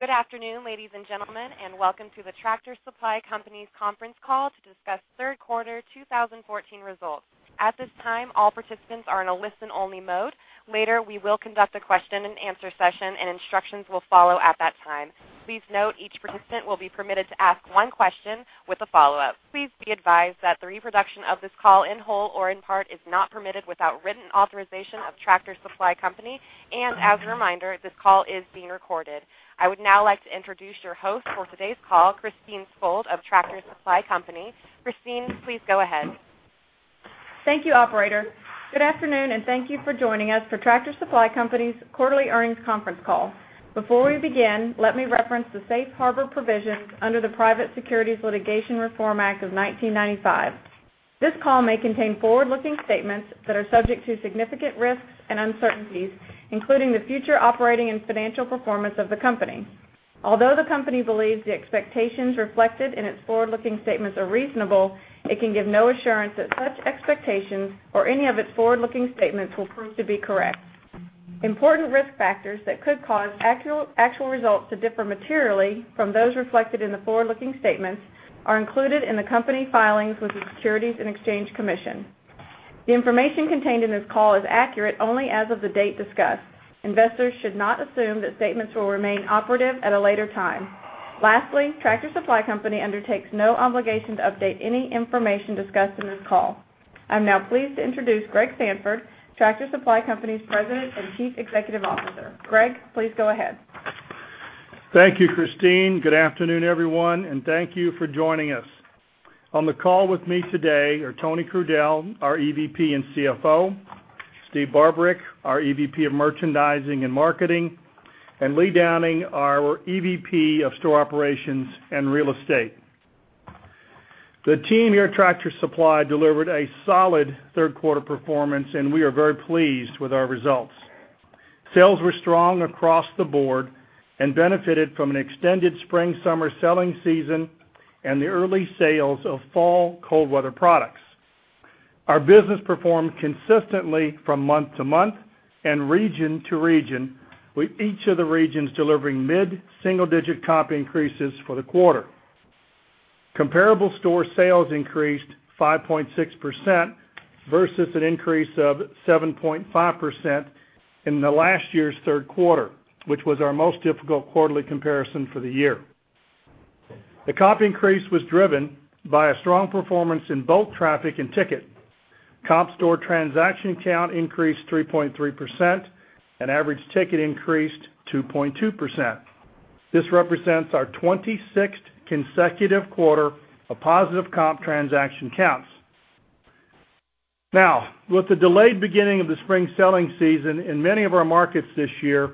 Good afternoon, ladies and gentlemen, and welcome to the Tractor Supply Company's conference call to discuss third quarter 2014 results. At this time, all participants are in a listen-only mode. Later, we will conduct a question and answer session, and instructions will follow at that time. Please note each participant will be permitted to ask one question with a follow-up. Please be advised that the reproduction of this call, in whole or in part, is not permitted without written authorization of Tractor Supply Company. As a reminder, this call is being recorded. I would now like to introduce your host for today's call, Christine Skold of Tractor Supply Company. Christine, please go ahead. Thank you, operator. Good afternoon, and thank you for joining us for Tractor Supply Company's quarterly earnings conference call. Before we begin, let me reference the safe harbor provisions under the Private Securities Litigation Reform Act of 1995. This call may contain forward-looking statements that are subject to significant risks and uncertainties, including the future operating and financial performance of the company. Although the company believes the expectations reflected in its forward-looking statements are reasonable, it can give no assurance that such expectations or any of its forward-looking statements will prove to be correct. Important risk factors that could cause actual results to differ materially from those reflected in the forward-looking statements are included in the company filings with the Securities and Exchange Commission. The information contained in this call is accurate only as of the date discussed. Investors should not assume that statements will remain operative at a later time. Lastly, Tractor Supply Company undertakes no obligation to update any information discussed in this call. I am now pleased to introduce Greg Sandfort, Tractor Supply Company's President and Chief Executive Officer. Greg, please go ahead. Thank you, Christine. Good afternoon, everyone, and thank you for joining us. On the call with me today are Tony Crudele, our EVP and CFO, Steve Barbarick, our EVP of Merchandising and Marketing, and Lee Downing, our EVP of Store Operations and Real Estate. The team here at Tractor Supply delivered a solid third quarter performance, and we are very pleased with our results. Sales were strong across the board and benefited from an extended spring-summer selling season and the early sales of fall cold weather products. Our business performed consistently from month to month and region to region, with each of the regions delivering mid-single-digit comp increases for the quarter. Comparable store sales increased 5.6% versus an increase of 7.5% in last year's third quarter, which was our most difficult quarterly comparison for the year. The comp increase was driven by a strong performance in both traffic and ticket. Comp store transaction count increased 3.3% and average ticket increased 2.2%. This represents our 26th consecutive quarter of positive comp transaction counts. With the delayed beginning of the spring selling season in many of our markets this year,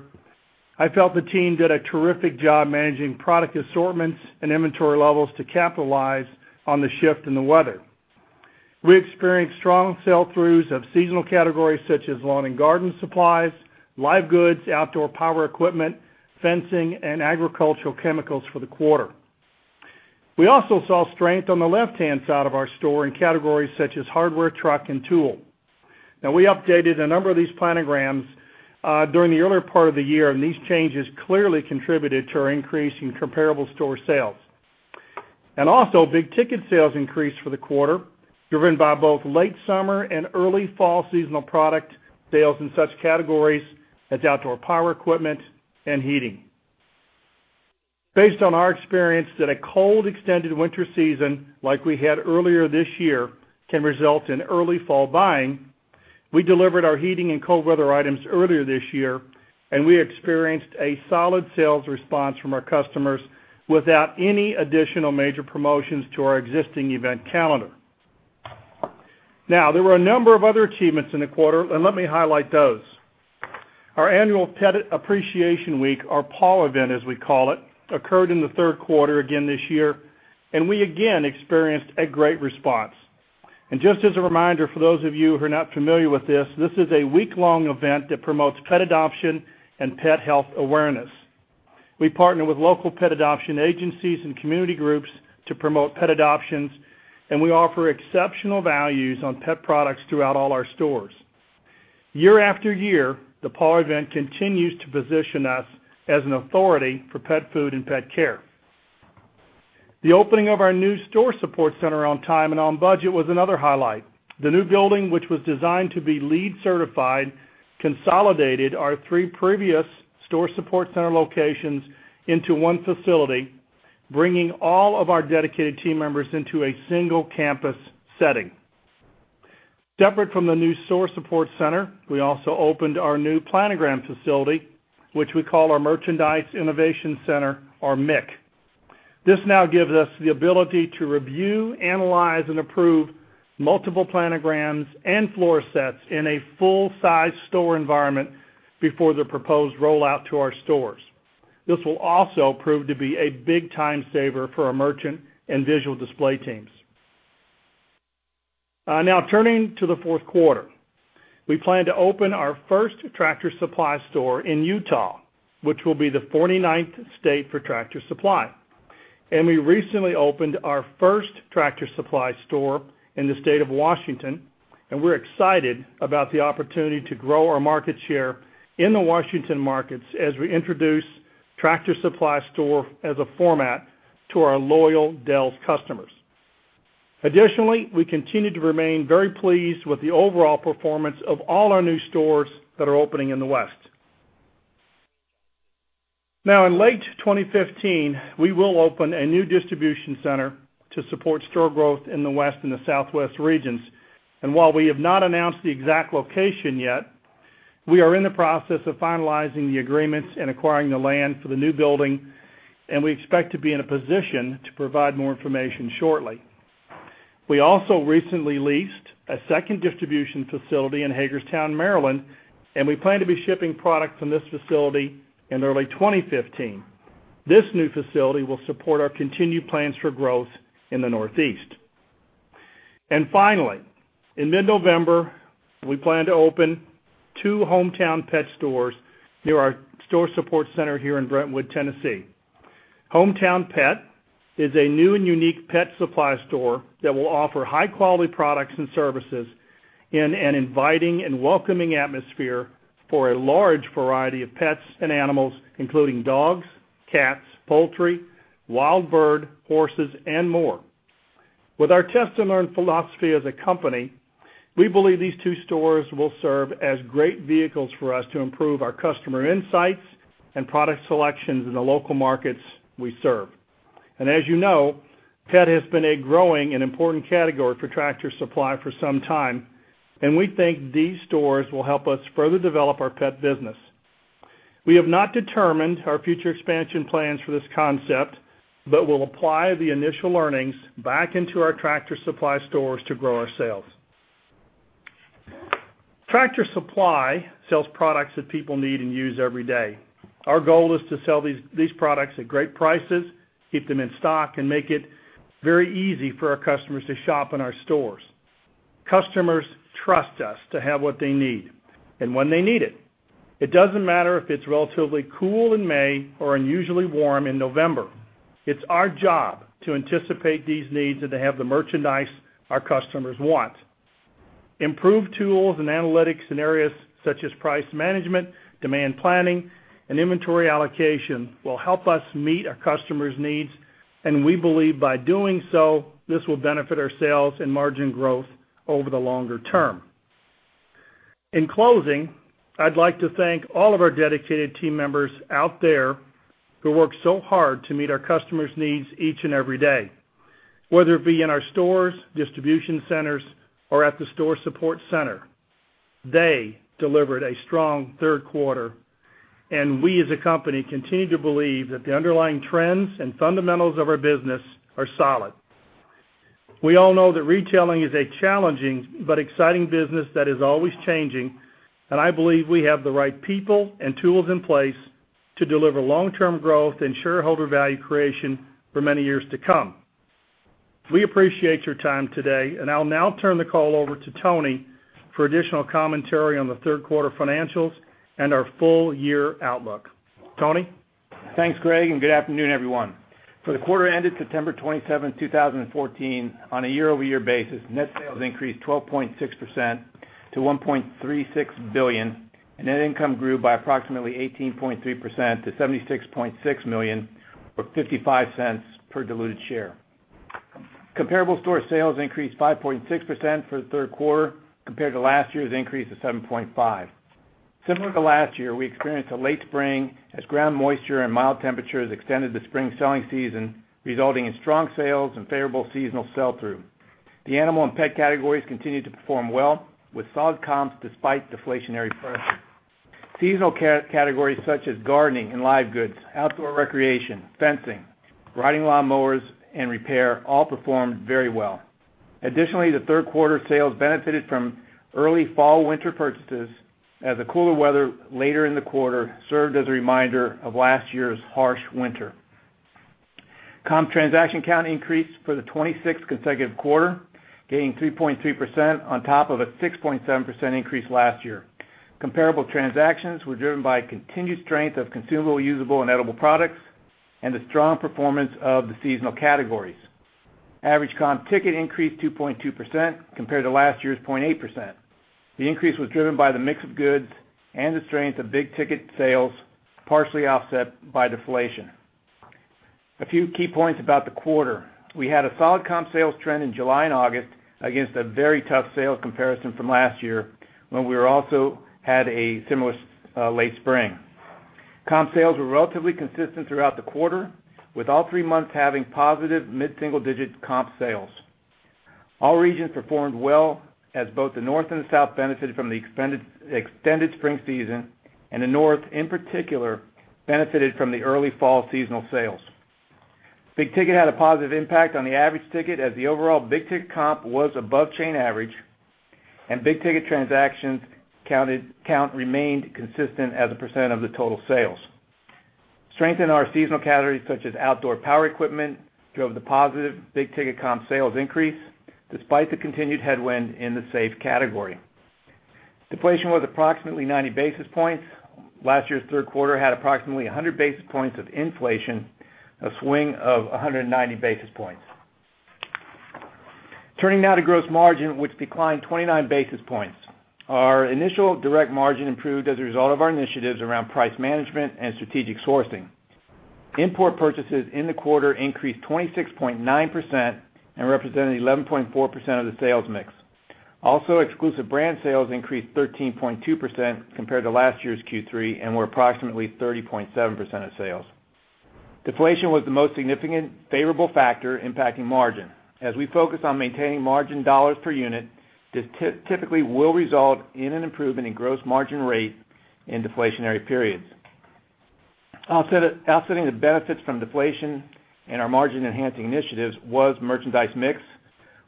I felt the team did a terrific job managing product assortments and inventory levels to capitalize on the shift in the weather. We experienced strong sell-throughs of seasonal categories such as lawn and garden supplies, live goods, outdoor power equipment, fencing, and agricultural chemicals for the quarter. We also saw strength on the left-hand side of our store in categories such as hardware, truck, and tool. We updated a number of these planograms, during the earlier part of the year, and these changes clearly contributed to our increase in comparable store sales. Also, big-ticket sales increased for the quarter, driven by both late summer and early fall seasonal product sales in such categories as outdoor power equipment and heating. Based on our experience that a cold, extended winter season, like we had earlier this year, can result in early fall buying, we delivered our heating and cold weather items earlier this year, and we experienced a solid sales response from our customers without any additional major promotions to our existing event calendar. There were a number of other achievements in the quarter, and let me highlight those. Our annual Pet Appreciation Week, our PAW event, as we call it, occurred in the third quarter again this year, and we again experienced a great response. Just as a reminder for those of you who are not familiar with this is a week-long event that promotes pet adoption and pet health awareness. We partner with local pet adoption agencies and community groups to promote pet adoptions, and we offer exceptional values on pet products throughout all our stores. Year after year, the PAW event continues to position us as an authority for pet food and pet care. The opening of our new store support center on time and on budget was another highlight. The new building, which was designed to be LEED certified, consolidated our three previous store support center locations into one facility, bringing all of our dedicated team members into a single-campus setting. Separate from the new store support center, we also opened our new planogram facility, which we call our Merchandise Innovation Center, or MIC. This now gives us the ability to review, analyze, and approve multiple planograms and floor sets in a full-size store environment before the proposed rollout to our stores. This will also prove to be a big time saver for our merchant and visual display teams. Turning to the fourth quarter. We plan to open our first Tractor Supply store in Utah, which will be the 49th state for Tractor Supply. We recently opened our first Tractor Supply store in the state of Washington, and we're excited about the opportunity to grow our market share in the Washington markets as we introduce Tractor Supply store as a format to our loyal Del's customers. Additionally, we continue to remain very pleased with the overall performance of all our new stores that are opening in the West. In late 2015, we will open a new distribution center to support store growth in the West and the Southwest regions. While we have not announced the exact location yet, we are in the process of finalizing the agreements and acquiring the land for the new building, and we expect to be in a position to provide more information shortly. We also recently leased a second distribution facility in Hagerstown, Maryland, and we plan to be shipping products from this facility in early 2015. This new facility will support our continued plans for growth in the Northeast. Finally, in mid-November, we plan to open two HomeTown Pet stores near our store support center here in Brentwood, Tennessee. HomeTown Pet is a new and unique pet supply store that will offer high-quality products and services in an inviting and welcoming atmosphere for a large variety of pets and animals, including dogs, cats, poultry, wild bird, horses and more. With our test and learn philosophy as a company, we believe these two stores will serve as great vehicles for us to improve our customer insights and product selections in the local markets we serve. As you know, pet has been a growing and important category for Tractor Supply for some time, and we think these stores will help us further develop our pet business. We have not determined our future expansion plans for this concept, but we'll apply the initial earnings back into our Tractor Supply stores to grow our sales. Tractor Supply sells products that people need and use every day. Our goal is to sell these products at great prices, keep them in stock, and make it very easy for our customers to shop in our stores. Customers trust us to have what they need and when they need it. It doesn't matter if it's relatively cool in May or unusually warm in November. It's our job to anticipate these needs and to have the merchandise our customers want. Improved tools and analytics in areas such as price management, demand planning, and inventory allocation will help us meet our customers' needs, and we believe by doing so, this will benefit our sales and margin growth over the longer term. In closing, I'd like to thank all of our dedicated team members out there who work so hard to meet our customers' needs each and every day, whether it be in our stores, distribution centers, or at the store support center. They delivered a strong third quarter, and we as a company continue to believe that the underlying trends and fundamentals of our business are solid. We all know that retailing is a challenging but exciting business that is always changing, and I believe we have the right people and tools in place to deliver long-term growth and shareholder value creation for many years to come. We appreciate your time today, and I'll now turn the call over to Tony for additional commentary on the third quarter financials and our full year outlook. Tony? Thanks, Greg, good afternoon, everyone. For the quarter ended September 27, 2014, on a year-over-year basis, net sales increased 12.6% to $1.36 billion, net income grew by approximately 18.3% to $76.6 million, or $0.55 per diluted share. Comparable store sales increased 5.6% for the third quarter compared to last year's increase of 7.5%. Similar to last year, we experienced a late spring as ground moisture and mild temperatures extended the spring selling season, resulting in strong sales and favorable seasonal sell-through. The animal and pet categories continued to perform well with solid comps despite deflationary pressure. Seasonal categories such as gardening and live goods, outdoor recreation, fencing, riding lawn mowers, and repair all performed very well. Additionally, the third quarter sales benefited from early fall-winter purchases as the cooler weather later in the quarter served as a reminder of last year's harsh winter. Comp transaction count increased for the 26th consecutive quarter, gaining 3.3% on top of a 6.7% increase last year. Comparable transactions were driven by continued strength of Consumable, Usable, and Edible products, and the strong performance of the seasonal categories. Average comp ticket increased 2.2% compared to last year's 0.8%. The increase was driven by the mix of goods and the strength of big-ticket sales, partially offset by deflation. A few key points about the quarter. We had a solid comp sales trend in July and August against a very tough sales comparison from last year, when we also had a similar late spring. Comp sales were relatively consistent throughout the quarter, with all three months having positive mid-single-digit comp sales. All regions performed well as both the North and the South benefited from the extended spring season, and the North, in particular, benefited from the early fall seasonal sales. Big-ticket had a positive impact on the average ticket as the overall big-ticket comp was above chain average, and big-ticket transactions count remained consistent as a percent of the total sales. Strength in our seasonal categories such as outdoor power equipment drove the positive big-ticket comp sales increase despite the continued headwind in the safe category. Deflation was approximately 90 basis points. Last year's third quarter had approximately 100 basis points of inflation, a swing of 190 basis points. Turning now to gross margin, which declined 29 basis points. Our initial direct margin improved as a result of our initiatives around price management and strategic sourcing. Import purchases in the quarter increased 26.9% and represented 11.4% of the sales mix. Also, exclusive brand sales increased 13.2% compared to last year's Q3 and were approximately 30.7% of sales. Deflation was the most significant favorable factor impacting margin. As we focus on maintaining margin dollars per unit, this typically will result in an improvement in gross margin rate in deflationary periods. Offsetting the benefits from deflation and our margin-enhancing initiatives was merchandise mix,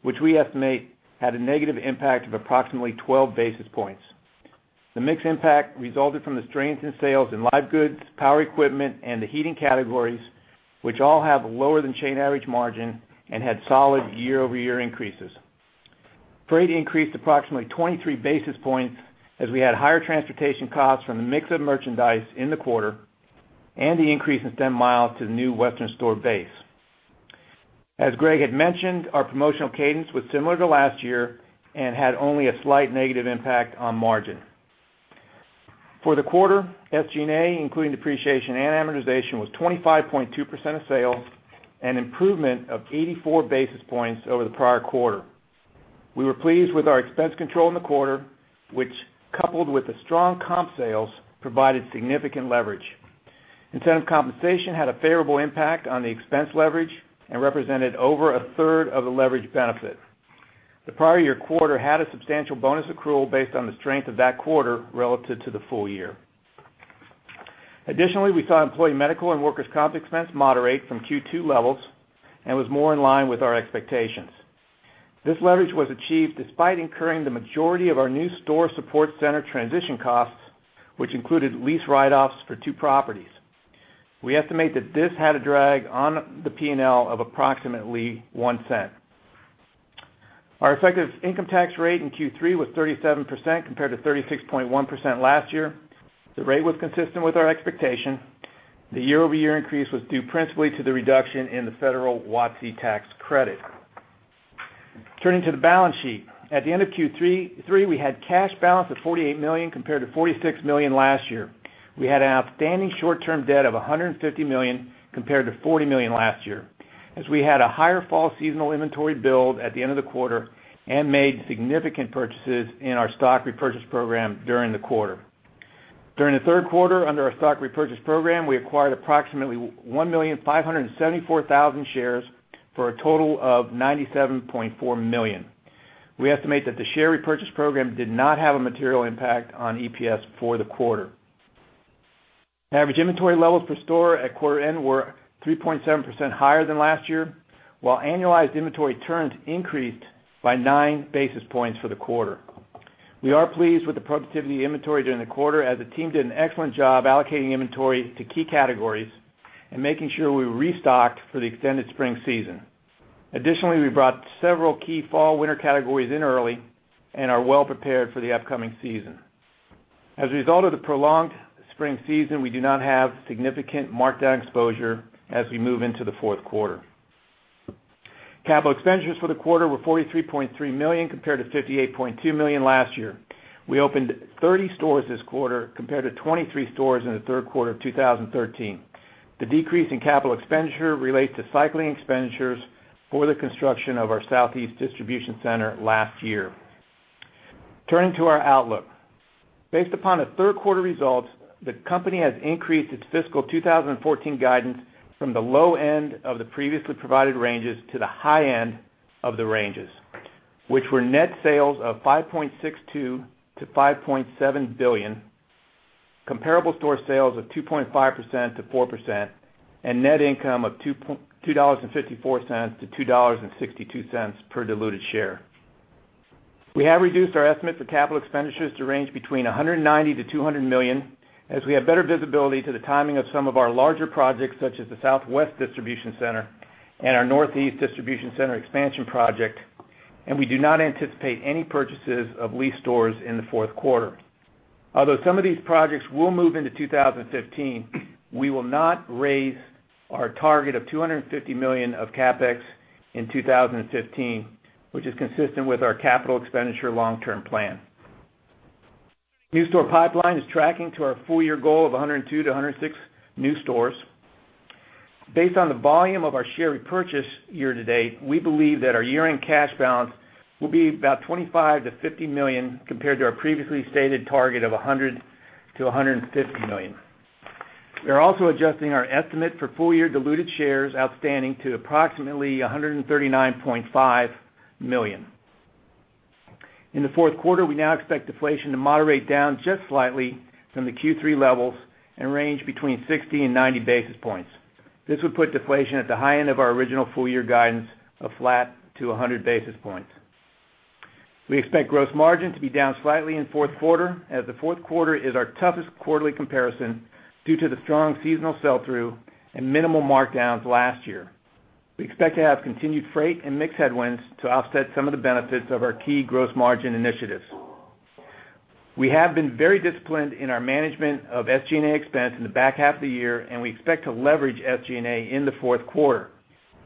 which we estimate had a negative impact of approximately 12 basis points. The mix impact resulted from the strength in sales in live goods, power equipment, and the heating categories, which all have lower than chain average margin and had solid year-over-year increases. Freight increased approximately 23 basis points as we had higher transportation costs from the mix of merchandise in the quarter and the increase in stem miles to the new western store base. As Greg had mentioned, our promotional cadence was similar to last year and had only a slight negative impact on margin. For the quarter, SG&A, including depreciation and amortization, was 25.2% of sales, an improvement of 84 basis points over the prior quarter. We were pleased with our expense control in the quarter, which, coupled with the strong comp sales, provided significant leverage. Incentive compensation had a favorable impact on the expense leverage and represented over a third of the leverage benefit. The prior year quarter had a substantial bonus accrual based on the strength of that quarter relative to the full year. Additionally, we saw employee medical and workers' comp expense moderate from Q2 levels and was more in line with our expectations. This leverage was achieved despite incurring the majority of our new store support center transition costs, which included lease write-offs for two properties. We estimate that this had a drag on the P&L of approximately $0.01. Our effective income tax rate in Q3 was 37%, compared to 36.1% last year. The rate was consistent with our expectation. The year-over-year increase was due principally to the reduction in the federal WOTC tax credit. Turning to the balance sheet. At the end of Q3, we had cash balance of $48 million, compared to $46 million last year. We had an outstanding short-term debt of $150 million, compared to $40 million last year, as we had a higher fall seasonal inventory build at the end of the quarter and made significant purchases in our stock repurchase program during the quarter. During the third quarter, under our stock repurchase program, we acquired approximately 1,574,000 shares for a total of $97.4 million. We estimate that the share repurchase program did not have a material impact on EPS for the quarter. Average inventory levels per store at quarter end were 3.7% higher than last year, while annualized inventory turns increased by nine basis points for the quarter. We are pleased with the productivity of inventory during the quarter, as the team did an excellent job allocating inventory to key categories and making sure we restocked for the extended spring season. Additionally, we brought several key fall/winter categories in early and are well prepared for the upcoming season. As a result of the prolonged spring season, we do not have significant markdown exposure as we move into the fourth quarter. Capital expenditures for the quarter were $43.3 million, compared to $58.2 million last year. We opened 30 stores this quarter, compared to 23 stores in the third quarter of 2013. The decrease in capital expenditure relates to cycling expenditures for the construction of our Southeast distribution center last year. Turning to our outlook. Based upon the third quarter results, the company has increased its fiscal 2014 guidance from the low end of the previously provided ranges to the high end of the ranges, which were net sales of $5.62 billion-$5.7 billion, comparable store sales of 2.5%-4%, and net income of $2.54-$2.62 per diluted share. We have reduced our estimate for capital expenditures to range between $190 million-$200 million, as we have better visibility to the timing of some of our larger projects, such as the Southwest Distribution Center and our Northeast Distribution Center expansion project, and we do not anticipate any purchases of leased stores in the fourth quarter. Although some of these projects will move into 2015, we will not raise our target of $250 million of CapEx in 2015, which is consistent with our capital expenditure long-term plan. New store pipeline is tracking to our full-year goal of 102 to 106 new stores. Based on the volume of our share repurchase year to date, we believe that our year-end cash balance will be about $25 million-$50 million, compared to our previously stated target of $100 million-$150 million. We are also adjusting our estimate for full-year diluted shares outstanding to approximately $139.5 million. In the fourth quarter, we now expect deflation to moderate down just slightly from the Q3 levels and range between 60 and 90 basis points. This would put deflation at the high end of our original full-year guidance of flat to 100 basis points. We expect gross margin to be down slightly in fourth quarter, as the fourth quarter is our toughest quarterly comparison due to the strong seasonal sell-through and minimal markdowns last year. We expect to have continued freight and mix headwinds to offset some of the benefits of our key gross margin initiatives. We have been very disciplined in our management of SG&A expense in the back half of the year. We expect to leverage SG&A in the fourth quarter.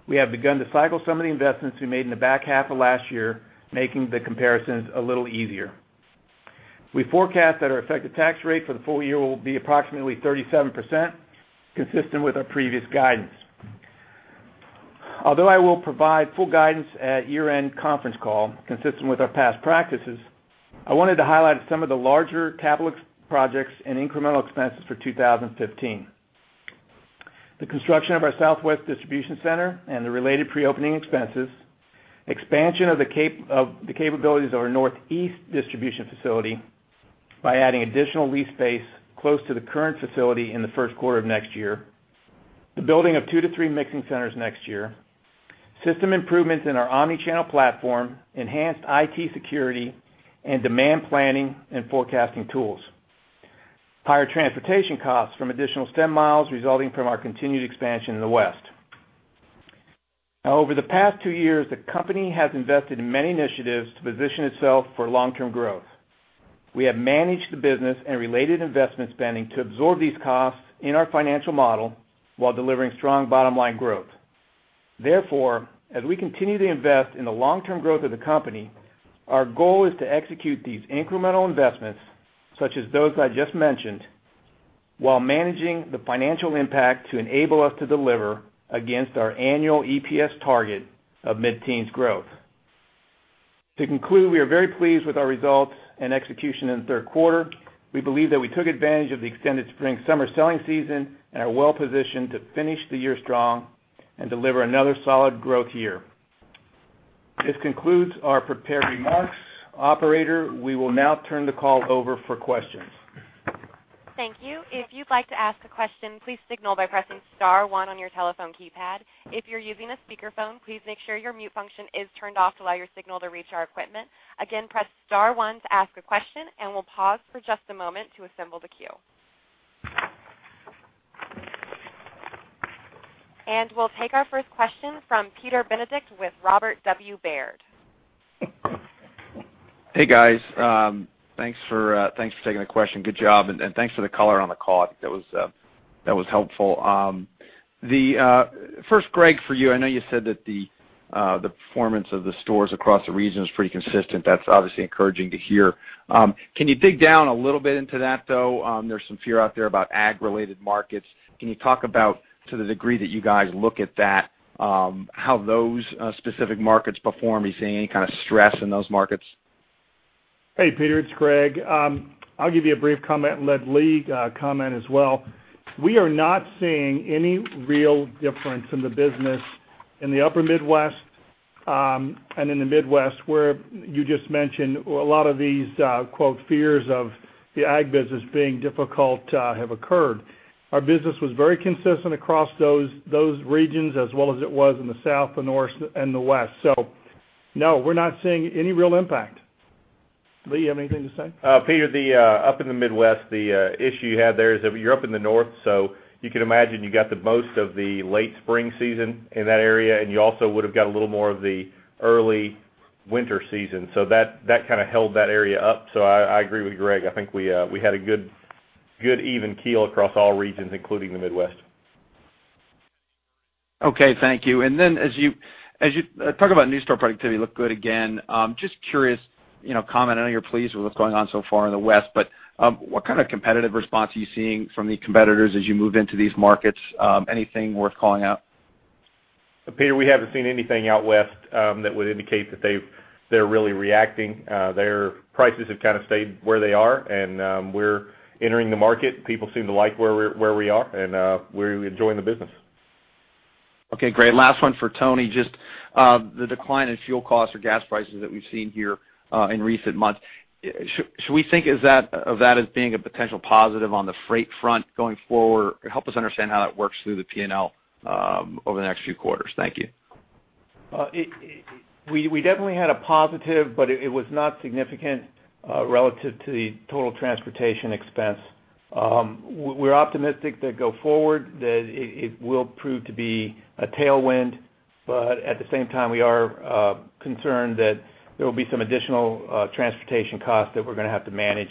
We have begun to cycle some of the investments we made in the back half of last year, making the comparisons a little easier. We forecast that our effective tax rate for the full year will be approximately 37%, consistent with our previous guidance. Although I will provide full guidance at year-end conference call, consistent with our past practices, I wanted to highlight some of the larger capital projects and incremental expenses for 2015. The construction of our Southwest distribution center and the related pre-opening expenses, expansion of the capabilities of our Northeast distribution facility by adding additional lease space close to the current facility in the first quarter of next year, the building of two to three mixing centers next year, system improvements in our omni-channel platform, enhanced IT security, and demand planning and forecasting tools. Higher transportation costs from additional stem miles resulting from our continued expansion in the West. Over the past two years, the company has invested in many initiatives to position itself for long-term growth. We have managed the business and related investment spending to absorb these costs in our financial model while delivering strong bottom-line growth. Therefore, as we continue to invest in the long-term growth of the company, our goal is to execute these incremental investments, such as those I just mentioned, while managing the financial impact to enable us to deliver against our annual EPS target of mid-teens growth. To conclude, we are very pleased with our results and execution in the third quarter. We believe that we took advantage of the extended spring-summer selling season and are well-positioned to finish the year strong and deliver another solid growth year. This concludes our prepared remarks. Operator, we will now turn the call over for questions. Thank you. If you'd like to ask a question, please signal by pressing *1 on your telephone keypad. If you're using a speakerphone, please make sure your mute function is turned off to allow your signal to reach our equipment. Again, press *1 to ask a question, we'll pause for just a moment to assemble the queue. We'll take our first question from Peter Benedict with Robert W. Baird. Hey, guys. Thanks for taking the question. Good job, thanks for the color on the call. That was helpful. First, Greg, for you, I know you said that the performance of the stores across the region is pretty consistent. That's obviously encouraging to hear. Can you dig down a little bit into that, though? There's some fear out there about ag-related markets. Can you talk about, to the degree that you guys look at that, how those specific markets perform? Are you seeing any kind of stress in those markets? Hey, Peter. It's Greg. I'll give you a brief comment, let Lee comment as well. We are not seeing any real difference in the business in the upper Midwest and in the Midwest, where you just mentioned a lot of these "fears" of the ag business being difficult have occurred. Our business was very consistent across those regions as well as it was in the South, the North, and the West. No, we're not seeing any real impact. Lee, you have anything to say? Peter, up in the Midwest, the issue you have there is that you're up in the North, you can imagine you got the most of the late spring season in that area, you also would have got a little more of the early winter season. That held that area up. I agree with Greg. I think we had a good even keel across all regions, including the Midwest. Okay, thank you. Then, talk about new store productivity looked good again. Just curious, comment, I know you're pleased with what's going on so far in the West, but what kind of competitive response are you seeing from the competitors as you move into these markets? Anything worth calling out? Peter, we haven't seen anything out West that would indicate that they're really reacting. Their prices have stayed where they are, and we're entering the market. People seem to like where we are, and we're enjoying the business. Okay, great. Last one for Tony, just the decline in fuel costs or gas prices that we've seen here in recent months. Should we think of that as being a potential positive on the freight front going forward? Help us understand how that works through the P&L over the next few quarters. Thank you. We definitely had a positive, but it was not significant relative to the total transportation expense. We're optimistic that go forward, that it will prove to be a tailwind, but at the same time, we are concerned that there will be some additional transportation costs that we're going to have to manage.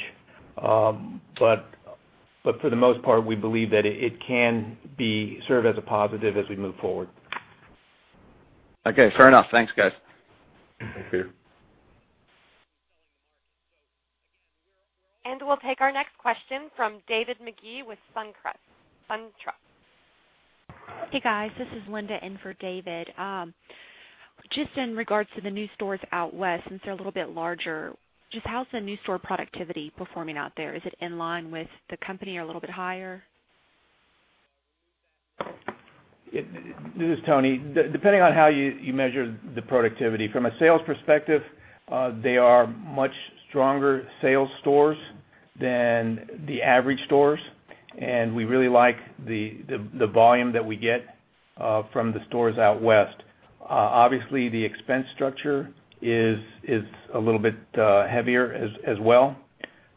For the most part, we believe that it can serve as a positive as we move forward. Okay, fair enough. Thanks, guys. Thanks, Peter. We'll take our next question from David Magee with SunTrust. Hey, guys, this is Linda in for David. Just in regards to the new stores out West, since they're a little bit larger, just how's the new store productivity performing out there? Is it in line with the company or a little bit higher? This is Tony. Depending on how you measure the productivity, from a sales perspective, they are much stronger sales stores than the average stores, and we really like the volume that we get from the stores out West. The expense structure is a little bit heavier as well,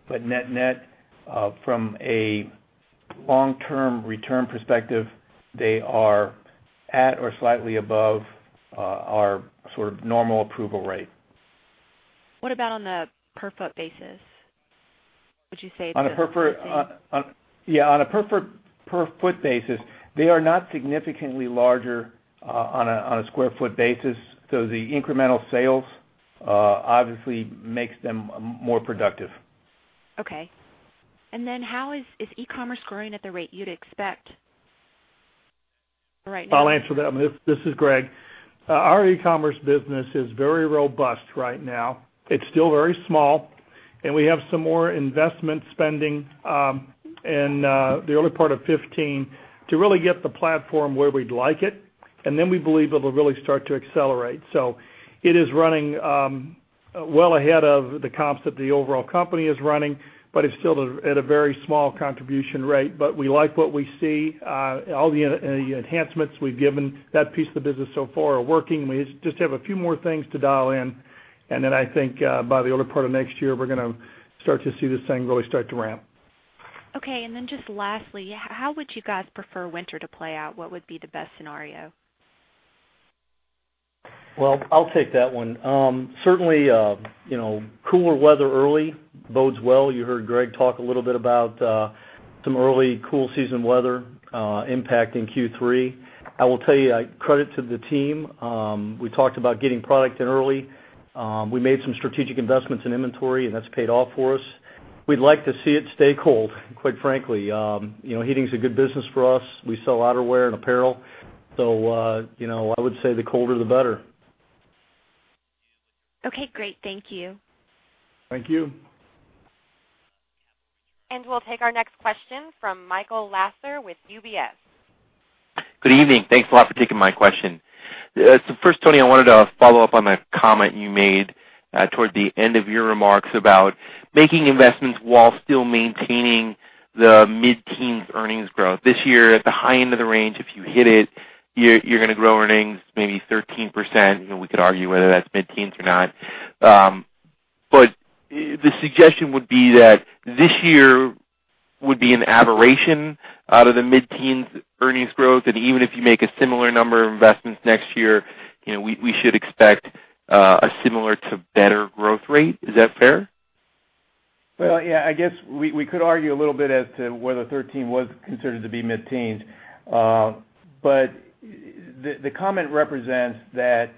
net-net, from a long-term return perspective, they are at or slightly above our normal approval rate. What about on the per foot basis? Would you say it's the same thing? Yeah. On a per foot basis, they are not significantly larger on a square foot basis, the incremental sales obviously makes them more productive. Okay. How is e-commerce growing at the rate you'd expect right now? I'll answer that. This is Greg. Our e-commerce business is very robust right now. It's still very small, and we have some more investment spending in the early part of 2015 to really get the platform where we'd like it, then we believe it'll really start to accelerate. It is running well ahead of the comps that the overall company is running, but it's still at a very small contribution rate. We like what we see. All the enhancements we've given that piece of the business so far are working. We just have a few more things to dial in, then I think by the early part of next year, we're going to start to see this thing really start to ramp. Okay, just lastly, how would you guys prefer winter to play out? What would be the best scenario? Well, I'll take that one. Certainly cooler weather early bodes well. You heard Greg talk a little bit about some early cool season weather impacting Q3. I will tell you, credit to the team. We talked about getting product in early. We made some strategic investments in inventory, and that's paid off for us. We'd like to see it stay cold, quite frankly. Heating is a good business for us. We sell outerwear and apparel. I would say the colder, the better. Okay, great. Thank you. Thank you. We'll take our next question from Michael Lasser with UBS. Good evening. Thanks a lot for taking my question. First, Tony, I wanted to follow up on a comment you made towards the end of your remarks about making investments while still maintaining the mid-teens earnings growth. This year, at the high end of the range, if you hit it, you're going to grow earnings maybe 13%. We could argue whether that's mid-teens or not. The suggestion would be that this year would be an aberration out of the mid-teens earnings growth, and even if you make a similar number of investments next year, we should expect a similar to better growth rate. Is that fair? Well, yeah, I guess we could argue a little bit as to whether 13 was considered to be mid-teens. The comment represents that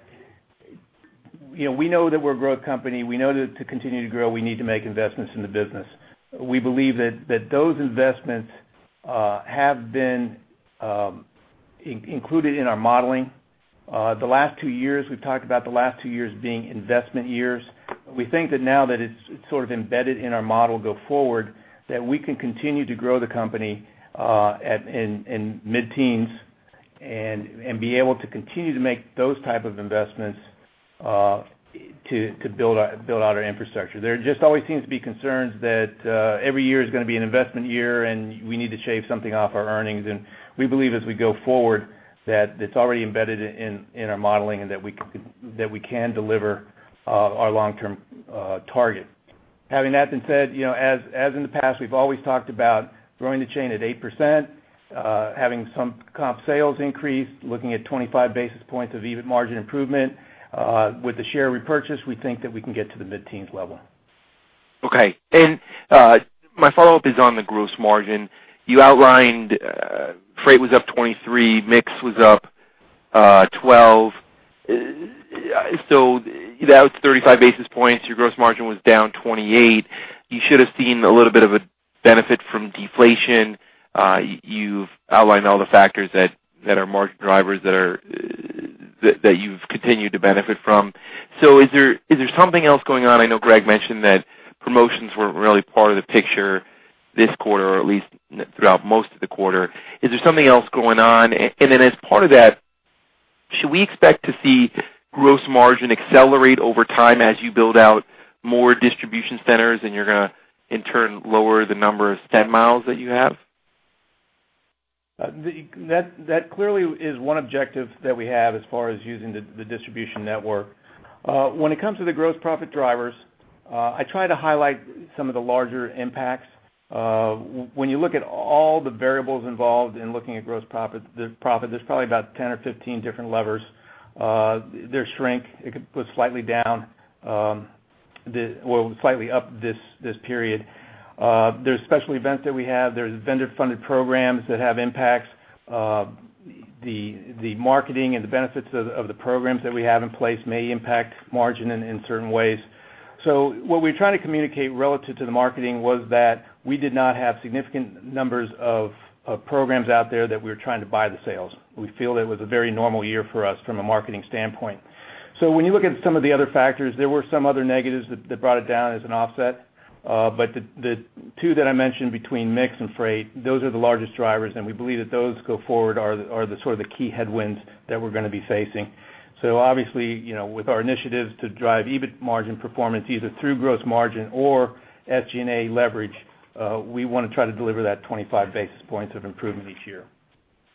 we know that we're a growth company. We know that to continue to grow, we need to make investments in the business. We believe that those investments have been included in our modeling. The last two years, we've talked about the last two years being investment years. We think that now that it's sort of embedded in our model go forward, that we can continue to grow the company in mid-teens and be able to continue to make those type of investments, to build out our infrastructure. There just always seems to be concerns that every year is going to be an investment year, and we need to shave something off our earnings. We believe as we go forward, that it's already embedded in our modeling, and that we can deliver our long-term target. Having that been said, as in the past, we've always talked about growing the chain at 8%, having some comp sales increase, looking at 25 basis points of EBIT margin improvement. With the share repurchase, we think that we can get to the mid-teens level. Okay. My follow-up is on the gross margin. You outlined freight was up 23, mix was up 12. That's 35 basis points. Your gross margin was down 28. You should have seen a little bit of a benefit from deflation. You've outlined all the factors that are margin drivers that you've continued to benefit from. Is there something else going on? I know Greg mentioned that promotions weren't really part of the picture this quarter, or at least throughout most of the quarter. Is there something else going on? Then as part of that, should we expect to see gross margin accelerate over time as you build out more distribution centers and you're going to, in turn, lower the number of step miles that you have? That clearly is one objective that we have as far as using the distribution network. When it comes to the gross profit drivers, I try to highlight some of the larger impacts. When you look at all the variables involved in looking at gross profit, there's probably about 10 or 15 different levers. There's shrink. It was slightly up this period. There's special events that we have. There's vendor-funded programs that have impacts. The marketing and the benefits of the programs that we have in place may impact margin in certain ways. What we try to communicate relative to the marketing was that we did not have significant numbers of programs out there that we were trying to buy the sales. We feel it was a very normal year for us from a marketing standpoint. When you look at some of the other factors, there were some other negatives that brought it down as an offset. The two that I mentioned between mix and freight, those are the largest drivers, and we believe that those go forward are the sort of the key headwinds that we're going to be facing. Obviously, with our initiatives to drive EBIT margin performance, either through gross margin or SG&A leverage, we want to try to deliver that 25 basis points of improvement each year.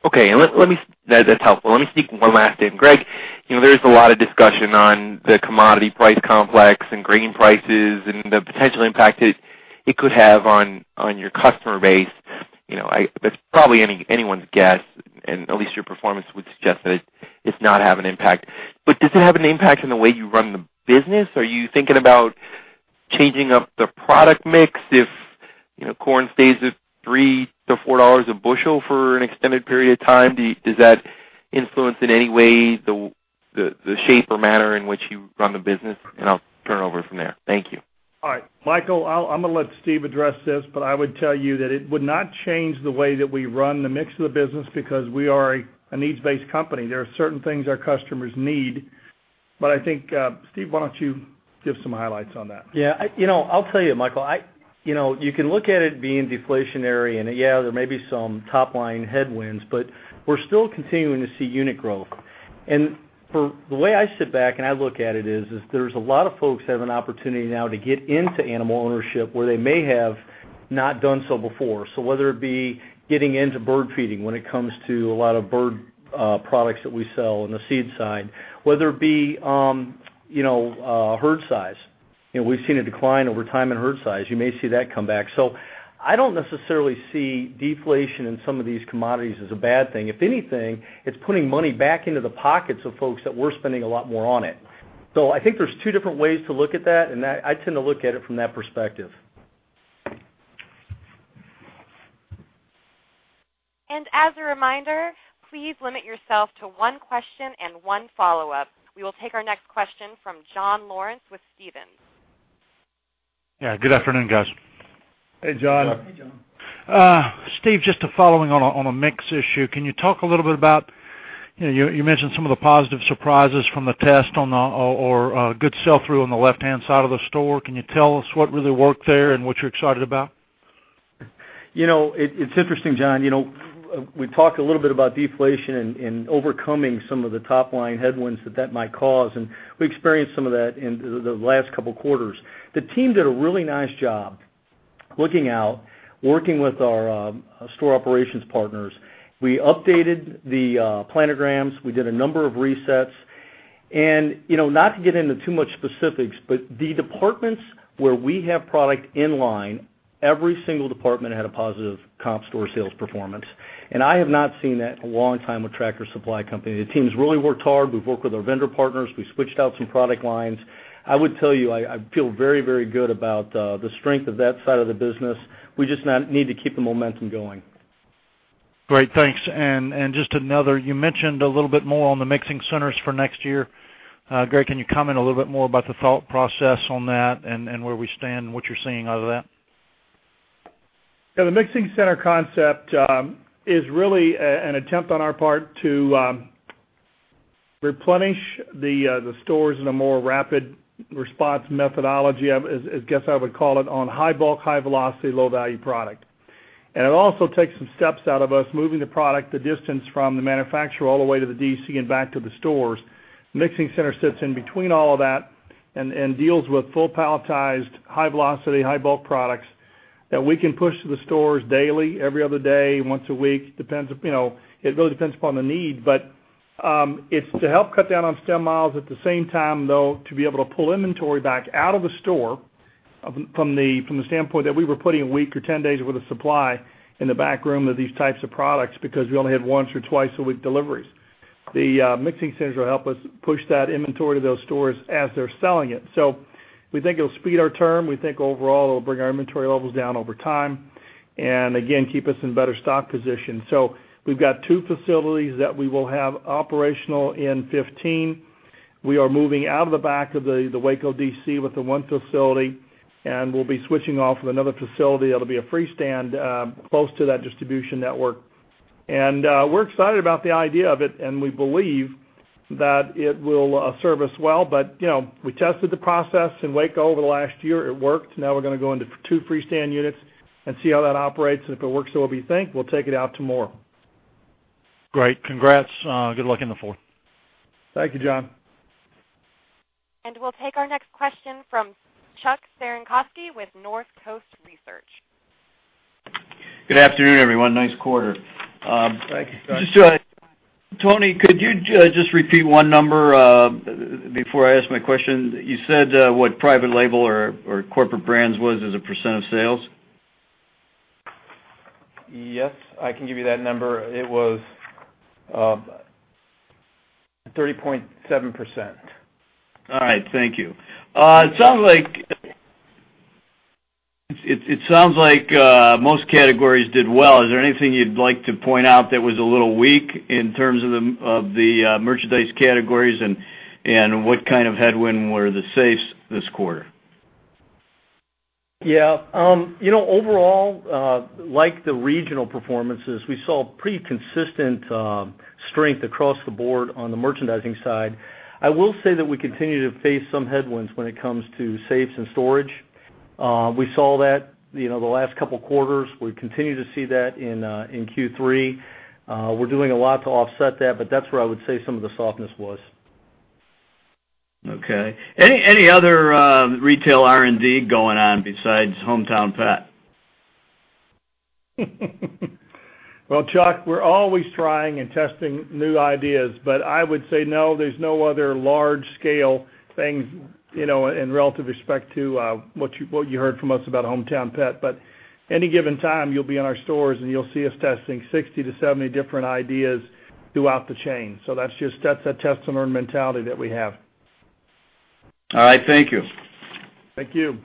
Okay. That's helpful. Let me sneak one last in. Greg, there's a lot of discussion on the commodity price complex and grain prices and the potential impact it could have on your customer base. That's probably anyone's guess, and at least your performance would suggest that it's not having an impact. Does it have an impact on the way you run the business? Are you thinking about changing up the product mix if corn stays at $3-$4 a bushel for an extended period of time? Does that influence in any way the shape or manner in which you run the business? I'll turn it over from there. Thank you. All right. Michael, I'm going to let Steve address this. I would tell you that it would not change the way that we run the mix of the business because we are a needs-based company. There are certain things our customers need. I think, Steve, why don't you give some highlights on that? Yeah. I'll tell you, Michael. You can look at it being deflationary. Yeah, there may be some top-line headwinds. We're still continuing to see unit growth. The way I sit back and I look at it is there's a lot of folks have an opportunity now to get into animal ownership where they may have not done so before. Whether it be getting into bird feeding when it comes to a lot of bird products that we sell on the seed side. Whether it be herd size. We've seen a decline over time in herd size. You may see that come back. I don't necessarily see deflation in some of these commodities as a bad thing. If anything, it's putting money back into the pockets of folks that were spending a lot more on it. I think there's two different ways to look at that, and I tend to look at it from that perspective. As a reminder, please limit yourself to one question and one follow-up. We will take our next question from John Lawrence with Stephens. Yeah. Good afternoon, guys. Hey, John. Hey, John. Steve, just following on a mix issue. Can you talk a little bit about, you mentioned some of the positive surprises from the test or good sell-through on the left-hand side of the store. Can you tell us what really worked there and what you're excited about? It's interesting, John. We talked a little bit about deflation and overcoming some of the top-line headwinds that might cause, and we experienced some of that in the last couple of quarters. The team did a really nice job looking out, working with our store operations partners. We updated the planograms. We did a number of resets. Not to get into too much specifics, but the departments where we have product in line, every single department had a positive comp store sales performance. I have not seen that in a long time with Tractor Supply Company. The team's really worked hard. We've worked with our vendor partners. We've switched out some product lines. I would tell you, I feel very good about the strength of that side of the business. We just need to keep the momentum going. Great. Thanks. Just another, you mentioned a little bit more on the mixing centers for next year. Greg, can you comment a little bit more about the thought process on that and where we stand and what you're seeing out of that? Yeah. The mixing center concept is really an attempt on our part to replenish the stores in a more rapid response methodology, I guess I would call it, on high bulk, high velocity, low-value product. It also takes some steps out of us moving the product the distance from the manufacturer all the way to the DC and back to the stores. Mixing center sits in between all of that and deals with full palletized, high velocity, high bulk products that we can push to the stores daily, every other day, once a week. It really depends upon the need. It's to help cut down on stem miles at the same time, though, to be able to pull inventory back out of the store from the standpoint that we were putting a week or 10 days worth of supply in the back room of these types of products because we only had once or twice a week deliveries. The mixing centers will help us push that inventory to those stores as they're selling it. We think it'll speed our term. We think overall it'll bring our inventory levels down over time and again, keep us in better stock position. We've got two facilities that we will have operational in 2015. We are moving out of the back of the Waco DC with the one facility, and we'll be switching off with another facility that'll be a freestanding close to that distribution network. We're excited about the idea of it, and we believe that it will serve us well. We tested the process in Waco over the last year. It worked. Now we're going to go into two freestanding units and see how that operates. If it works the way we think, we'll take it out to more. Great. Congrats. Good luck in the fourth. Thank you, John. We'll take our next question from Chuck Cerankosky with Northcoast Research. Good afternoon, everyone. Nice quarter. Thank you, Chuck. Tony, could you just repeat one number before I ask my question? You said what private label or corporate brands was as a % of sales. Yes, I can give you that number. It was 30.7%. All right. Thank you. It sounds like most categories did well. Is there anything you'd like to point out that was a little weak in terms of the merchandise categories and what kind of headwind were the safes this quarter? Yeah. Overall, like the regional performances, we saw pretty consistent strength across the board on the merchandising side. I will say that we continue to face some headwinds when it comes to safes and storage. We saw that the last couple quarters. We continue to see that in Q3. We're doing a lot to offset that, but that's where I would say some of the softness was. Okay. Any other retail R&D going on besides HomeTown Pet? Well, Chuck, we're always trying and testing new ideas. I would say no, there's no other large-scale things in relative respect to what you heard from us about HomeTown Pet. Any given time, you'll be in our stores, and you'll see us testing 60-70 different ideas throughout the chain. That's just a testament or mentality that we have. All right, thank you. Thank you.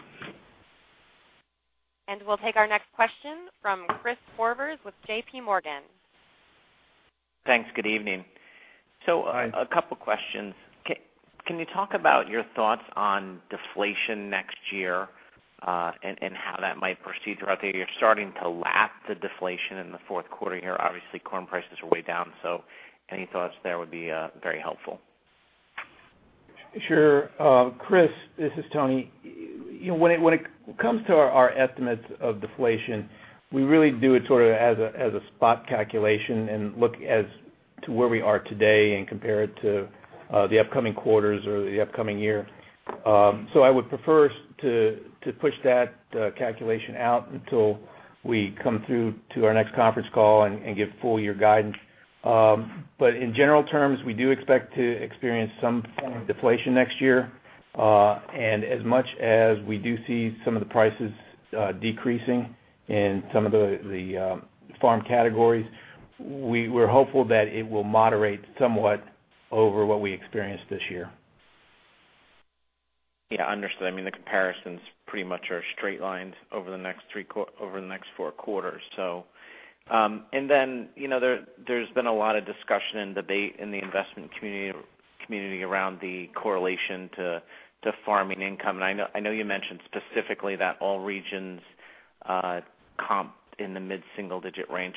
We'll take our next question from Chris Horvers with J.P. Morgan. Thanks. Good evening. Hi. A couple questions. Can you talk about your thoughts on deflation next year, and how that might proceed throughout the year? You're starting to lap the deflation in the fourth quarter here. Obviously, corn prices are way down, any thoughts there would be very helpful. Sure. Chris, this is Tony. When it comes to our estimates of deflation, we really do it sort of as a spot calculation and look as to where we are today and compare it to the upcoming quarters or the upcoming year. I would prefer to push that calculation out until we come through to our next conference call and give full year guidance. In general terms, we do expect to experience some form of deflation next year. As much as we do see some of the prices decreasing in some of the farm categories, we're hopeful that it will moderate somewhat over what we experienced this year. Yeah, understood. I mean, the comparisons pretty much are straight lines over the next four quarters. There's been a lot of discussion and debate in the investment community around the correlation to farming income. I know you mentioned specifically that all regions comped in the mid-single-digit range,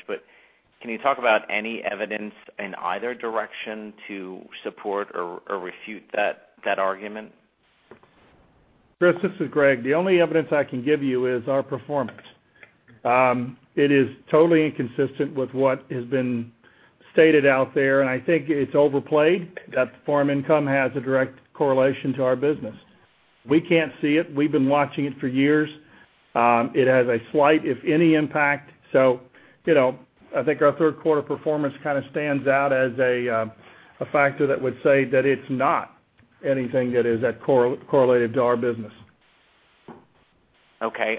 but can you talk about any evidence in either direction to support or refute that argument? Chris, this is Greg. The only evidence I can give you is our performance. It is totally inconsistent with what has been stated out there, I think it's overplayed that farm income has a direct correlation to our business. We can't see it. We've been watching it for years. It has a slight, if any, impact. I think our third quarter performance kind of stands out as a factor that would say that it's not anything that is correlated to our business. Okay.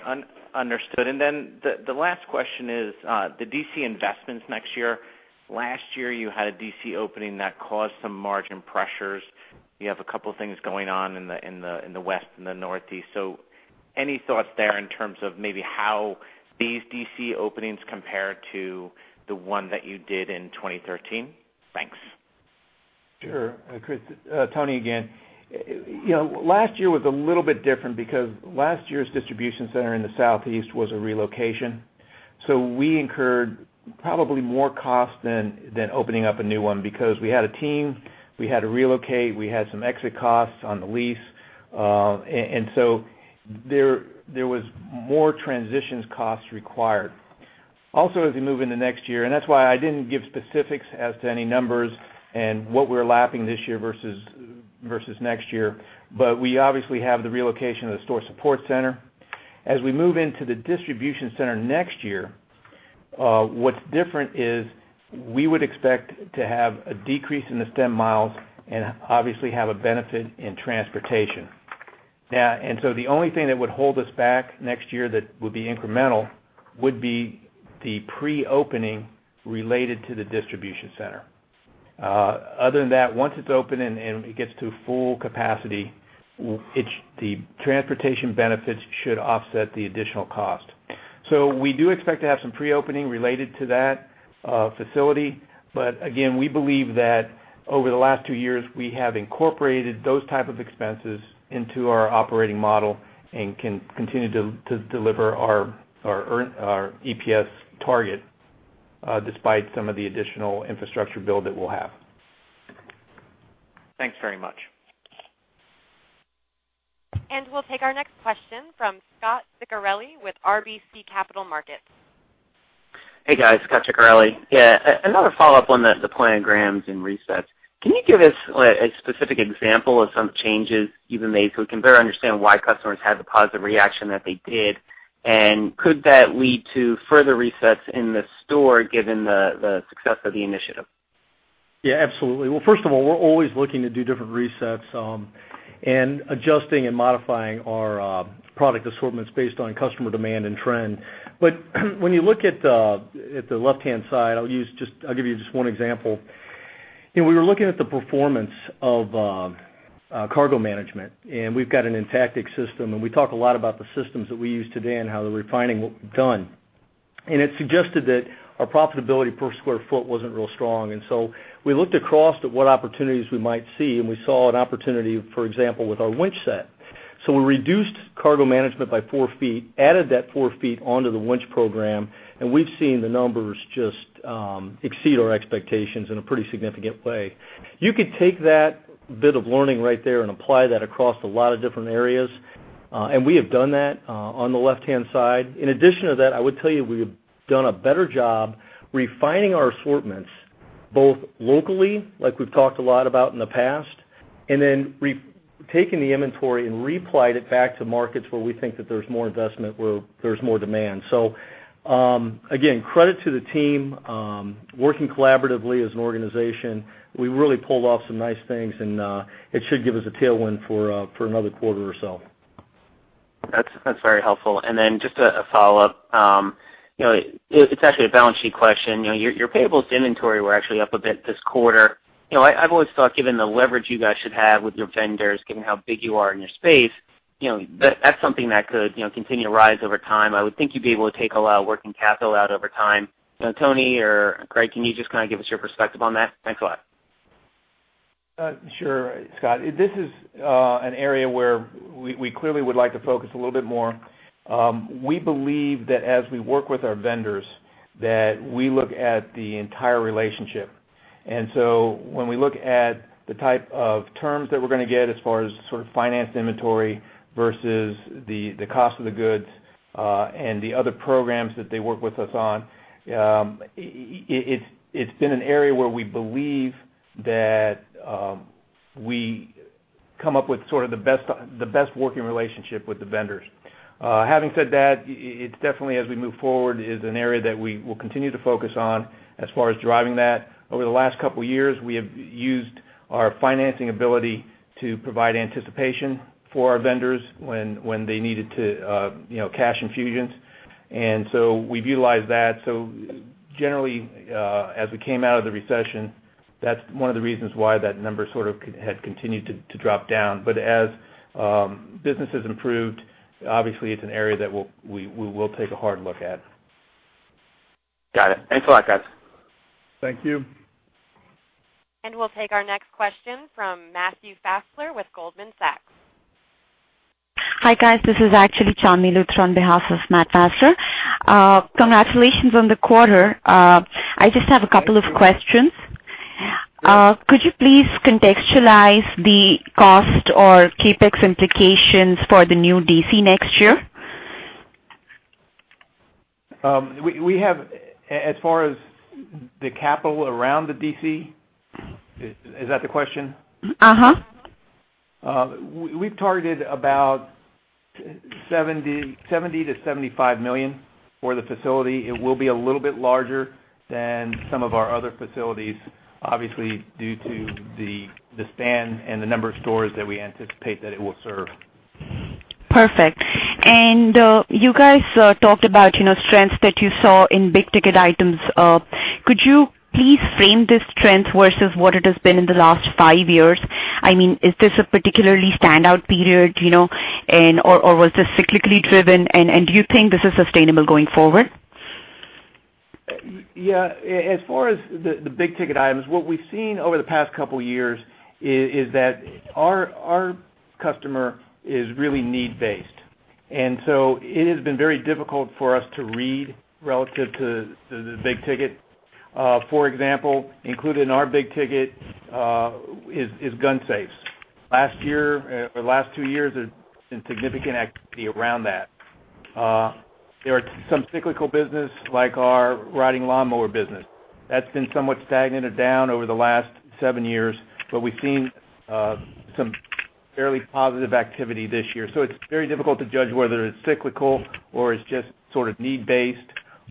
Understood. The last question is, the DC investments next year. Last year, you had a DC opening that caused some margin pressures. You have a couple things going on in the West and the Northeast. Any thoughts there in terms of maybe how these DC openings compare to the one that you did in 2013? Thanks. Sure. Chris, Tony again. Last year was a little bit different because last year's distribution center in the Southeast was a relocation. We incurred probably more cost than opening up a new one because we had a team, we had to relocate, we had some exit costs on the lease. There was more transition costs required. Also, as we move into next year, that's why I didn't give specifics as to any numbers and what we're lapping this year versus next year. We obviously have the relocation of the store support center. As we move into the distribution center next year, what's different is we would expect to have a decrease in the stem miles and obviously have a benefit in transportation. The only thing that would hold us back next year that would be incremental would be the pre-opening related to the distribution center. Other than that, once it's open and it gets to full capacity, the transportation benefits should offset the additional cost. We do expect to have some pre-opening related to that facility. Again, we believe that over the last two years, we have incorporated those type of expenses into our operating model and can continue to deliver our EPS target despite some of the additional infrastructure build that we'll have. Thanks very much. We'll take our next question from Scot Ciccarelli with RBC Capital Markets. Hey, guys. Scot Ciccarelli. Another follow-up on the planograms and resets. Can you give us a specific example of some changes you've been made so we can better understand why customers had the positive reaction that they did? Could that lead to further resets in the store given the success of the initiative? Yeah, absolutely. First of all, we're always looking to do different resets, adjusting and modifying our product assortments based on customer demand and trend. When you look at the left-hand side, I'll give you just one example. We were looking at the performance of cargo management. We've got an Intactix system, and we talk a lot about the systems that we use today and how the refining done. It suggested that our profitability per square foot wasn't real strong. We looked across at what opportunities we might see, and we saw an opportunity, for example, with our winch set. We reduced cargo management by four feet, added that four feet onto the winch program, and we've seen the numbers just exceed our expectations in a pretty significant way. You could take that bit of learning right there and apply that across a lot of different areas. We have done that on the left-hand side. In addition to that, I would tell you, we have done a better job refining our assortments both locally, like we've talked a lot about in the past, and then taken the inventory and reapplied it back to markets where we think that there's more investment, where there's more demand. Again, credit to the team, working collaboratively as an organization. We really pulled off some nice things, and it should give us a tailwind for another quarter or so. That's very helpful. Just a follow-up. It's actually a balance sheet question. Your payables inventory were actually up a bit this quarter. I've always thought, given the leverage you guys should have with your vendors, given how big you are in your space, that's something that could continue to rise over time. I would think you'd be able to take a lot of working capital out over time. Anthony or Greg, can you just give us your perspective on that? Thanks a lot. Sure, Scot. This is an area where we clearly would like to focus a little bit more. We believe that as we work with our vendors, that we look at the entire relationship. When we look at the type of terms that we're going to get as far as sort of finance inventory versus the cost of the goods, and the other programs that they work with us on, it's been an area where we believe that we come up with sort of the best working relationship with the vendors. Having said that, it's definitely, as we move forward, is an area that we will continue to focus on as far as driving that. Over the last couple of years, we have used our financing ability to provide anticipation for our vendors when they needed cash infusions. We've utilized that. Generally, as we came out of the recession, that's one of the reasons why that number sort of had continued to drop down, but as business has improved, obviously it's an area that we will take a hard look at. Got it. Thanks a lot, guys. Thank you. We'll take our next question from Matthew Fassler with Goldman Sachs. Hi, guys. This is actually Chandni Luthra on behalf of Matthew Fassler. Congratulations on the quarter. I just have a couple of questions. Could you please contextualize the cost or CapEx implications for the new DC next year? We have, as far as the capital around the DC, is that the question? We've targeted about $70 million-$75 million for the facility. It will be a little bit larger than some of our other facilities, obviously, due to the span and the number of stores that we anticipate that it will serve. Perfect. You guys talked about strengths that you saw in big-ticket items. Could you please frame this trend versus what it has been in the last five years? Is this a particularly standout period, or was this cyclically driven, and do you think this is sustainable going forward? Yeah. As far as the big-ticket items, what we've seen over the past couple years is that our customer is really need-based. It has been very difficult for us to read relative to the big ticket. For example, included in our big ticket is gun safes. Last year or the last two years, there's been significant activity around that. There are some cyclical business, like our riding lawnmower business. That's been somewhat stagnant or down over the last seven years, but we've seen some fairly positive activity this year. It's very difficult to judge whether it's cyclical or it's just sort of need-based,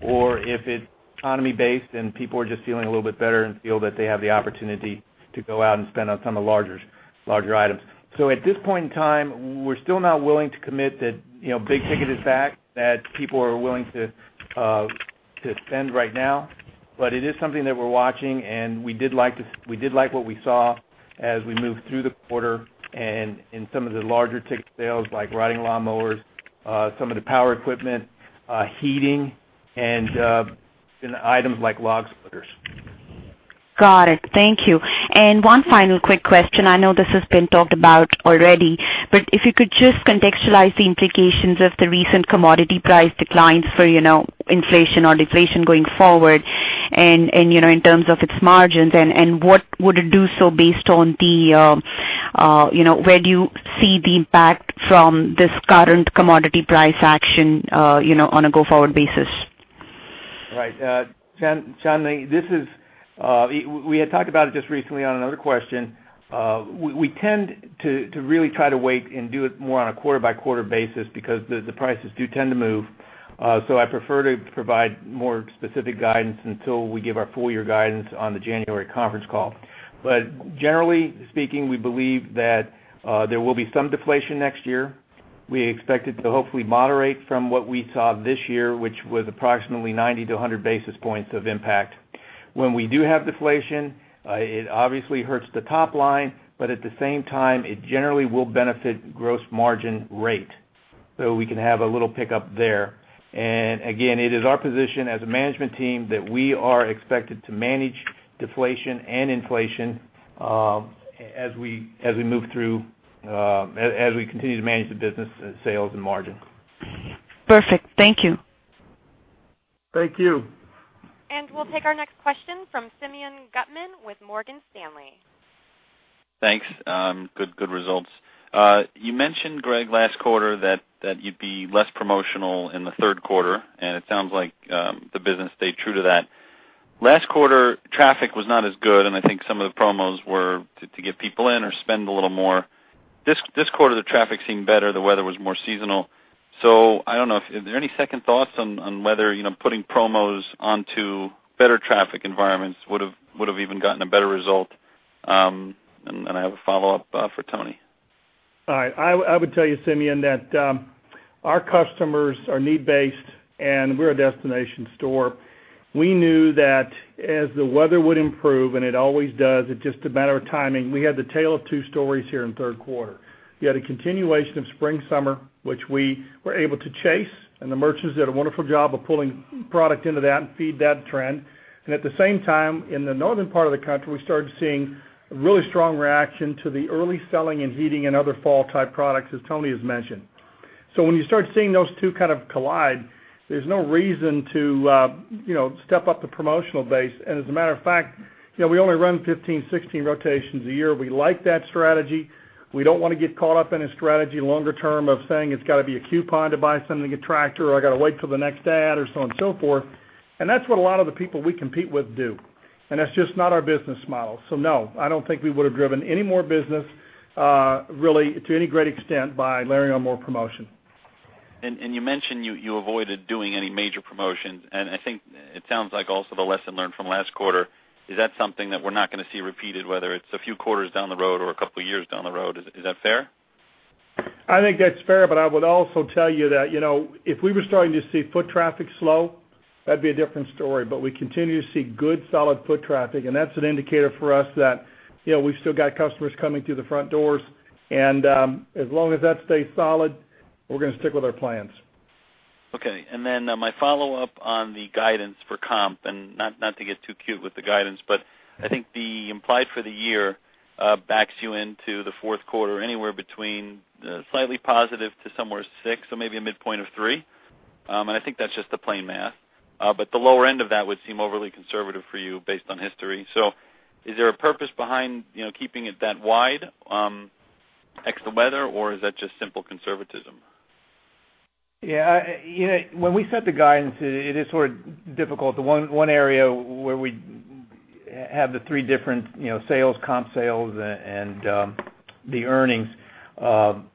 or if it's economy-based and people are just feeling a little bit better and feel that they have the opportunity to go out and spend on some of the larger items. At this point in time, we're still not willing to commit that big ticket is back, that people are willing to spend right now. It is something that we're watching, and we did like what we saw as we moved through the quarter and in some of the larger ticket sales, like riding lawnmowers, some of the power equipment, heating, and items like log splitters. Got it. Thank you. One final quick question. I know this has been talked about already, but if you could just contextualize the implications of the recent commodity price declines for inflation or deflation going forward and in terms of its margins, and what would it do so where do you see the impact from this current commodity price action on a go-forward basis? Right. Chandni, we had talked about it just recently on another question. We tend to really try to wait and do it more on a quarter-by-quarter basis because the prices do tend to move. I prefer to provide more specific guidance until we give our full-year guidance on the January conference call. Generally speaking, we believe that there will be some deflation next year. We expect it to hopefully moderate from what we saw this year, which was approximately 90 to 100 basis points of impact. When we do have deflation, it obviously hurts the top line, but at the same time, it generally will benefit gross margin rate. We can have a little pickup there. Again, it is our position as a management team that we are expected to manage deflation and inflation as we continue to manage the business sales and margin. Perfect. Thank you. Thank you. We'll take our next question from Simeon Gutman with Morgan Stanley. Thanks. Good results. You mentioned, Greg, last quarter that you'd be less promotional in the third quarter, and it sounds like the business stayed true to that. Last quarter, traffic was not as good, and I think some of the promos were to get people in or spend a little more. This quarter, the traffic seemed better. The weather was more seasonal. I don't know. Is there any second thoughts on whether putting promos onto better traffic environments would have even gotten a better result? I have a follow-up for Tony. All right. I would tell you, Simeon, that our customers are need-based, and we're a destination store. We knew that as the weather would improve, and it always does, it's just a matter of timing. We had the tale of two stories here in the third quarter. You had a continuation of spring, summer, which we were able to chase, and the merchants did a wonderful job of pulling product into that and feed that trend. At the same time, in the northern part of the country, we started seeing a really strong reaction to the early selling and heating and other fall-type products, as Tony has mentioned. When you start seeing those two collide, there's no reason to step up the promotional base. As a matter of fact, we only run 15, 16 rotations a year. We like that strategy. We don't want to get caught up in a strategy longer term of saying it's got to be a coupon to buy something at Tractor, or I got to wait till the next ad or so on and so forth. That's what a lot of the people we compete with do. That's just not our business model. No, I don't think we would have driven any more business, really, to any great extent by layering on more promotion. You mentioned you avoided doing any major promotions, and I think it sounds like also the lesson learned from last quarter. Is that something that we're not going to see repeated, whether it's a few quarters down the road or a couple of years down the road? Is that fair? I think that's fair, I would also tell you that if we were starting to see foot traffic slow, that'd be a different story. We continue to see good, solid foot traffic, and that's an indicator for us that we've still got customers coming through the front doors. As long as that stays solid, we're going to stick with our plans. Okay. Then my follow-up on the guidance for comp, and not to get too cute with the guidance, but I think the implied for the year backs you into the fourth quarter anywhere between slightly positive to somewhere 6, so maybe a midpoint of 3. I think that's just the plain math. The lower end of that would seem overly conservative for you based on history. Is there a purpose behind keeping it that wide ex the weather, or is that just simple conservatism? When we set the guidance, it is sort of difficult. One area where we have the three different sales, comp sales, and the earnings. On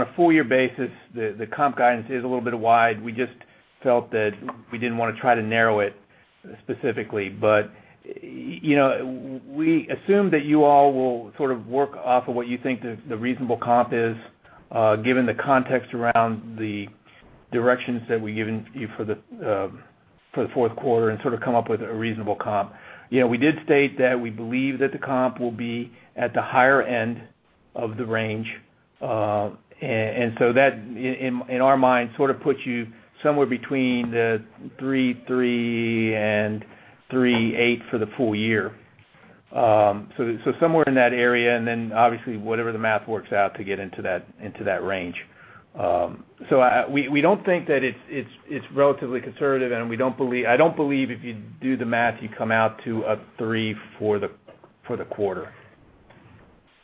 a full-year basis, the comp guidance is a little bit wide. We just felt that we didn't want to try to narrow it specifically. We assume that you all will sort of work off of what you think the reasonable comp is, given the context around the directions that we've given you for the fourth quarter and sort of come up with a reasonable comp. We did state that we believe that the comp will be at the higher end of the range. That, in our mind, sort of puts you somewhere between the 3.3 and 3.8 for the full year. Somewhere in that area, and then obviously whatever the math works out to get into that range. We don't think that it's relatively conservative, and I don't believe if you do the math, you come out to a 3 for the quarter.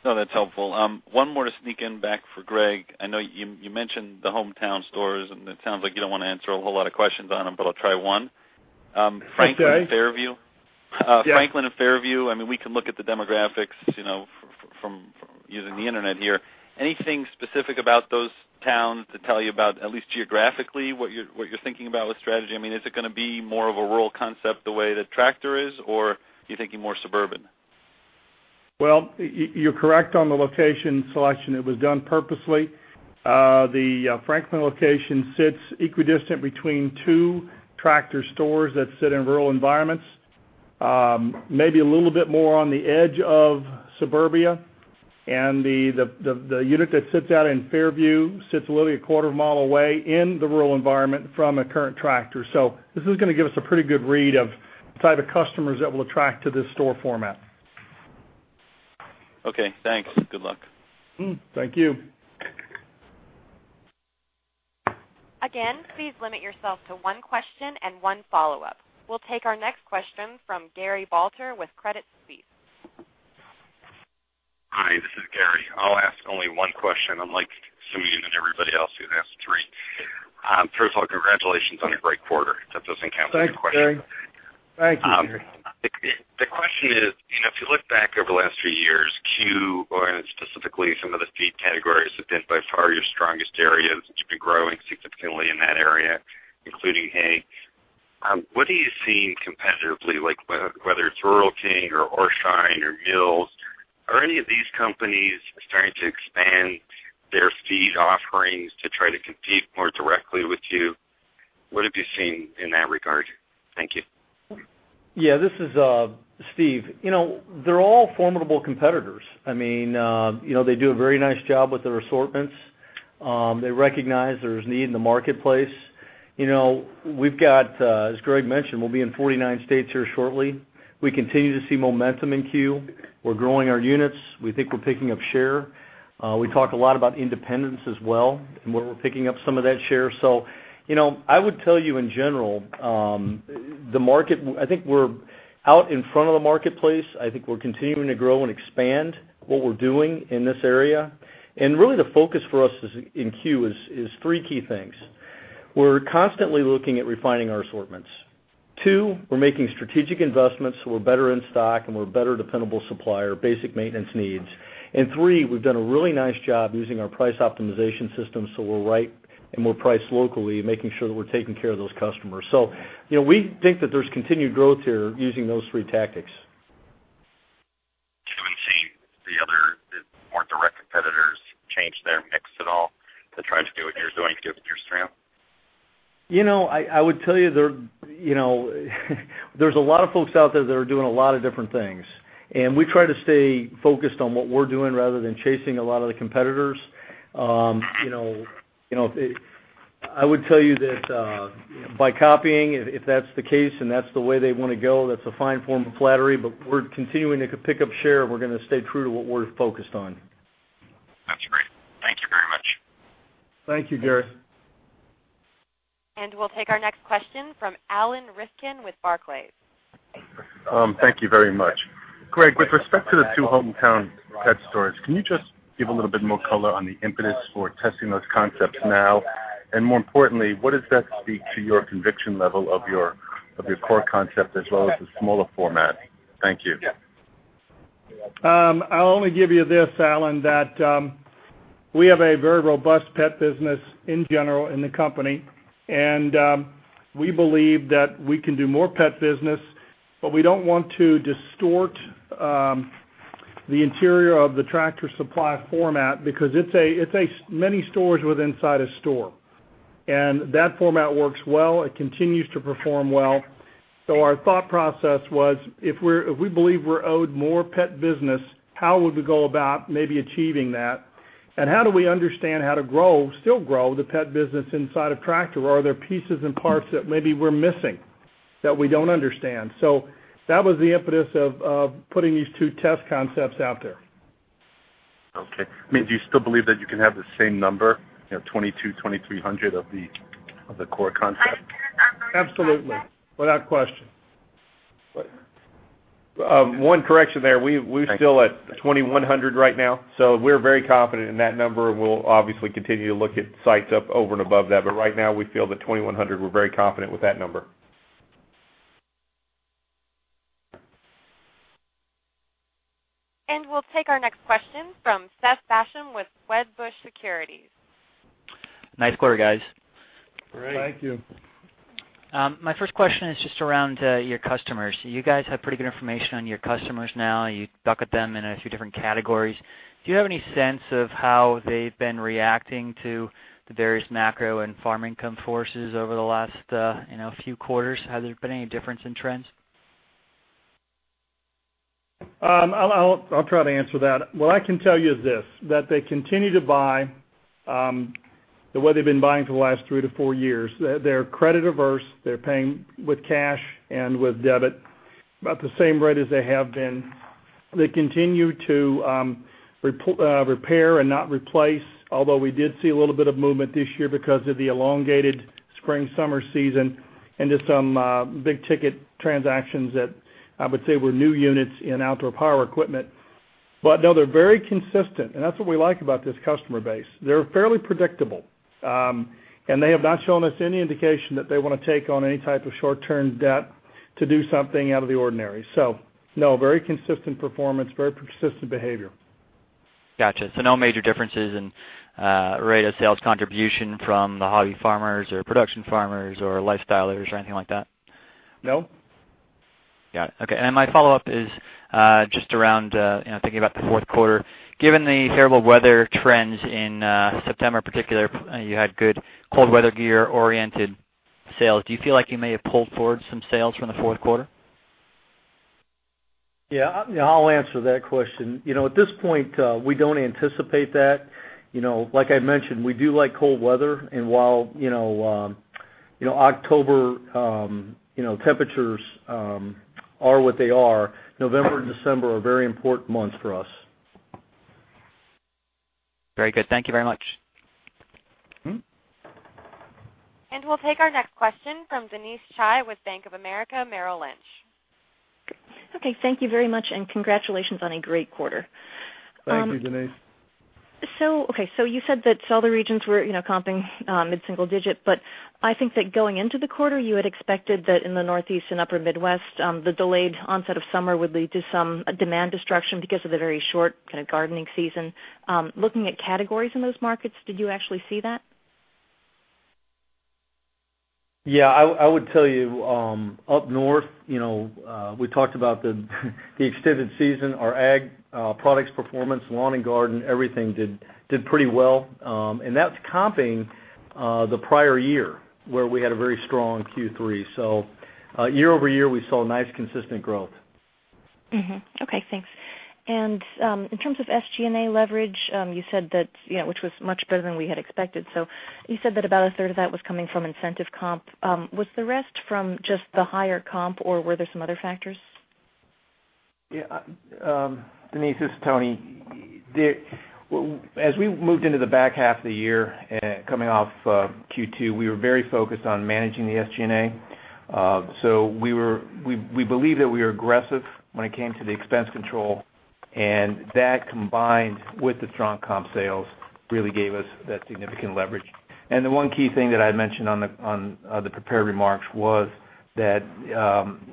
No, that's helpful. One more to sneak in back for Greg. I know you mentioned the hometown stores, and it sounds like you don't want to answer a whole lot of questions on them, but I'll try one. That's okay. Franklin and Fairview. Yeah. Franklin and Fairview, we can look at the demographics from using the internet here. Anything specific about those towns to tell you about, at least geographically, what you're thinking about with strategy? Is it going to be more of a rural concept the way that Tractor is, or are you thinking more suburban? Well, you're correct on the location selection. It was done purposely. The Franklin location sits equidistant between two Tractor stores that sit in rural environments, maybe a little bit more on the edge of suburbia. The unit that sits out in Fairview sits literally a quarter mile away in the rural environment from a current Tractor. This is going to give us a pretty good read of the type of customers that we'll attract to this store format. Okay, thanks. Good luck. Thank you. Again, please limit yourself to one question and one follow-up. We'll take our next question from Gary Balter with Credit Suisse. Hi, this is Gary. I'll ask only one question, unlike Simeon and everybody else who's asked three. First of all, congratulations on a great quarter. That doesn't count as a question. Thanks, Gary. The question is, if you look back over the last few years, Q, and specifically some of the feed categories have been by far your strongest areas that you've been growing significantly in that area, including hay. What are you seeing competitively, like whether it's Rural King or Orscheln or Mills, are any of these companies starting to expand their feed offerings to try to compete more directly with you? What have you seen in that regard? Thank you. Yeah. This is Steve. They're all formidable competitors. They do a very nice job with their assortments. They recognize there's need in the marketplace. As Greg mentioned, we'll be in 49 states here shortly. We continue to see momentum in C.U.E.. We're growing our units. We think we're picking up share. We talk a lot about independence as well, and where we're picking up some of that share. I would tell you in general, I think we're out in front of the marketplace. I think we're continuing to grow and expand what we're doing in this area. Really the focus for us in C.U.E. is three key things. We're constantly looking at refining our assortments. Two, we're making strategic investments, so we're better in stock, and we're a better dependable supplier of basic maintenance needs. three, we've done a really nice job using our price optimization system, so we're right and we're priced locally, making sure that we're taking care of those customers. We think that there's continued growth here using those three tactics. Do we see the other more direct competitors change their mix at all to try to do what you're doing with your stream? I would tell you there's a lot of folks out there that are doing a lot of different things, we try to stay focused on what we're doing rather than chasing a lot of the competitors. I would tell you that by copying, if that's the case, that's the way they want to go, that's a fine form of flattery. We're continuing to pick up share, we're going to stay true to what we're focused on. That's great. Thank you very much. Thank you, Gary. We'll take our next question from Alan Rifkin with Barclays. Thank you very much. Greg, with respect to the two HomeTown Pet stores, can you just give a little bit more color on the impetus for testing those concepts now? More importantly, what does that speak to your conviction level of your core concept as well as the smaller format? Thank you. I'll only give you this, Alan, that we have a very robust pet business in general in the company. We believe that we can do more pet business, but we don't want to distort the interior of the Tractor Supply format because it's many stores inside a store. That format works well. It continues to perform well. Our thought process was, if we believe we're owed more pet business, how would we go about maybe achieving that? How do we understand how to still grow the pet business inside of Tractor? Are there pieces and parts that maybe we're missing that we don't understand? That was the impetus of putting these two test concepts out there. Okay. Do you still believe that you can have the same number, 22, 2,300 of the core concept? Absolutely. Without question. One correction there. Thank you. We're still at 2,100 right now, we're very confident in that number, we'll obviously continue to look at sites up over and above that. Right now we feel that 2,100, we're very confident with that number. We'll take our next question from Seth Basham with Wedbush Securities. Nice quarter, guys. Great. Thank you. My first question is just around your customers. You guys have pretty good information on your customers now. You bucket them in a few different categories. Do you have any sense of how they've been reacting to the various macro and farm income forces over the last few quarters? Has there been any difference in trends? I'll try to answer that. What I can tell you is this. They continue to buy the way they've been buying for the last three to four years. They're credit-averse. They're paying with cash and with debit about the same rate as they have been. They continue to repair and not replace, although we did see a little bit of movement this year because of the elongated spring-summer season and just some big-ticket transactions that I would say were new units in outdoor power equipment. No, they're very consistent, and that's what we like about this customer base. They're fairly predictable. They have not shown us any indication that they want to take on any type of short-term debt to do something out of the ordinary. No, very consistent performance, very consistent behavior. Got you. No major differences in rate of sales contribution from the hobby farmers or production farmers or lifestylers or anything like that? No. Got it. Okay, my follow-up is just around thinking about the fourth quarter. Given the terrible weather trends in September particular, you had good cold weather gear-oriented sales. Do you feel like you may have pulled forward some sales from the fourth quarter? Yeah, I'll answer that question. At this point, we don't anticipate that. Like I mentioned, we do like cold weather, while October temperatures are what they are, November and December are very important months for us. Very good. Thank you very much. We'll take our next question from Denise Chai with Bank of America Merrill Lynch. Okay. Thank you very much. Congratulations on a great quarter. Thank you, Denise. You said that southern regions were comping mid-single digit, I think that going into the quarter, you had expected that in the Northeast and Upper Midwest, the delayed onset of summer would lead to some demand destruction because of the very short gardening season. Looking at categories in those markets, did you actually see that? I would tell you up north, we talked about the extended season, our ag products performance, lawn and garden, everything did pretty well. That is comping the prior year where we had a very strong Q3. Year-over-year, we saw nice, consistent growth. Thanks. In terms of SG&A leverage, you said that, which was much better than we had expected. You said that about a third of that was coming from incentive comp. Was the rest from just the higher comp, or were there some other factors? Yeah. Denise, this is Tony. As we moved into the back half of the year coming off Q2, we were very focused on managing the SG&A. We believe that we were aggressive when it came to the expense control, and that combined with the strong comp sales really gave us that significant leverage. The one key thing that I had mentioned on the prepared remarks was that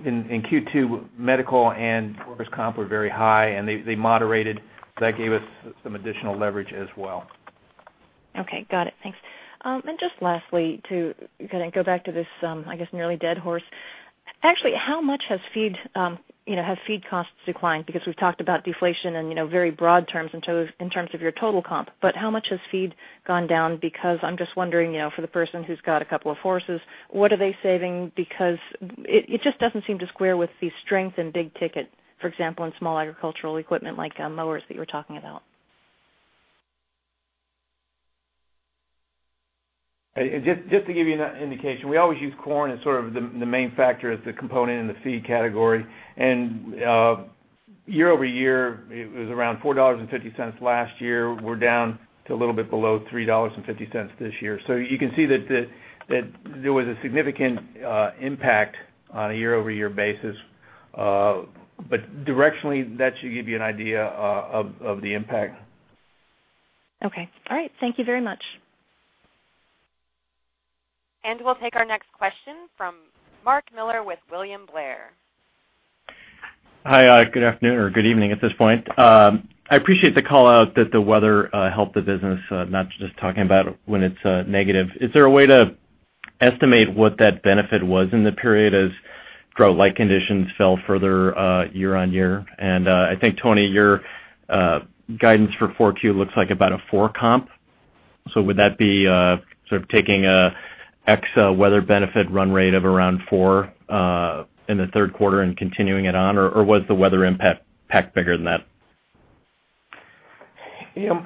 in Q2, medical and workers' comp were very high, and they moderated. That gave us some additional leverage as well. Okay. Got it. Thanks. Just lastly, to kind of go back to this nearly dead horse. Actually, how much have feed costs declined? We've talked about deflation in very broad terms in terms of your total comp, but how much has feed gone down? I'm just wondering, for the person who's got a couple of horses, what are they saving? It just doesn't seem to square with the strength in big ticket, for example, in small agricultural equipment like mowers that you were talking about. Just to give you an indication, we always use corn as sort of the main factor as the component in the feed category. Year-over-year, it was around $4.50 last year. We're down to a little bit below $3.50 this year. You can see that there was a significant impact on a year-over-year basis. Directionally, that should give you an idea of the impact. Okay. All right. Thank you very much. We'll take our next question from Mark Miller with William Blair. Hi. Good afternoon or good evening at this point. I appreciate the call-out that the weather helped the business, not just talking about when it's negative. Is there a way to estimate what that benefit was in the period as grow light conditions fell further year-on-year? I think, Tony, your guidance for 4Q looks like about a 4 comp. Would that be sort of taking an ex weather benefit run rate of around 4 in the third quarter and continuing it on, or was the weather impact bigger than that?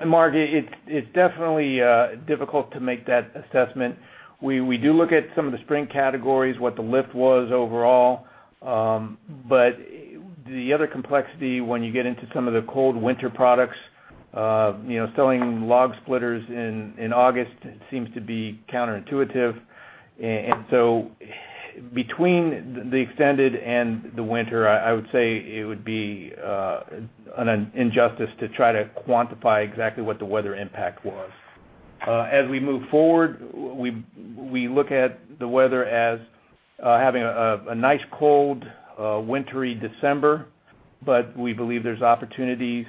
Mark, it's definitely difficult to make that assessment. We do look at some of the spring categories, what the lift was overall. The other complexity when you get into some of the cold winter products, selling log splitters in August seems to be counterintuitive. Between the extended and the winter, I would say it would be an injustice to try to quantify exactly what the weather impact was. As we move forward, we look at the weather as having a nice, cold, wintry December, but we believe there's opportunities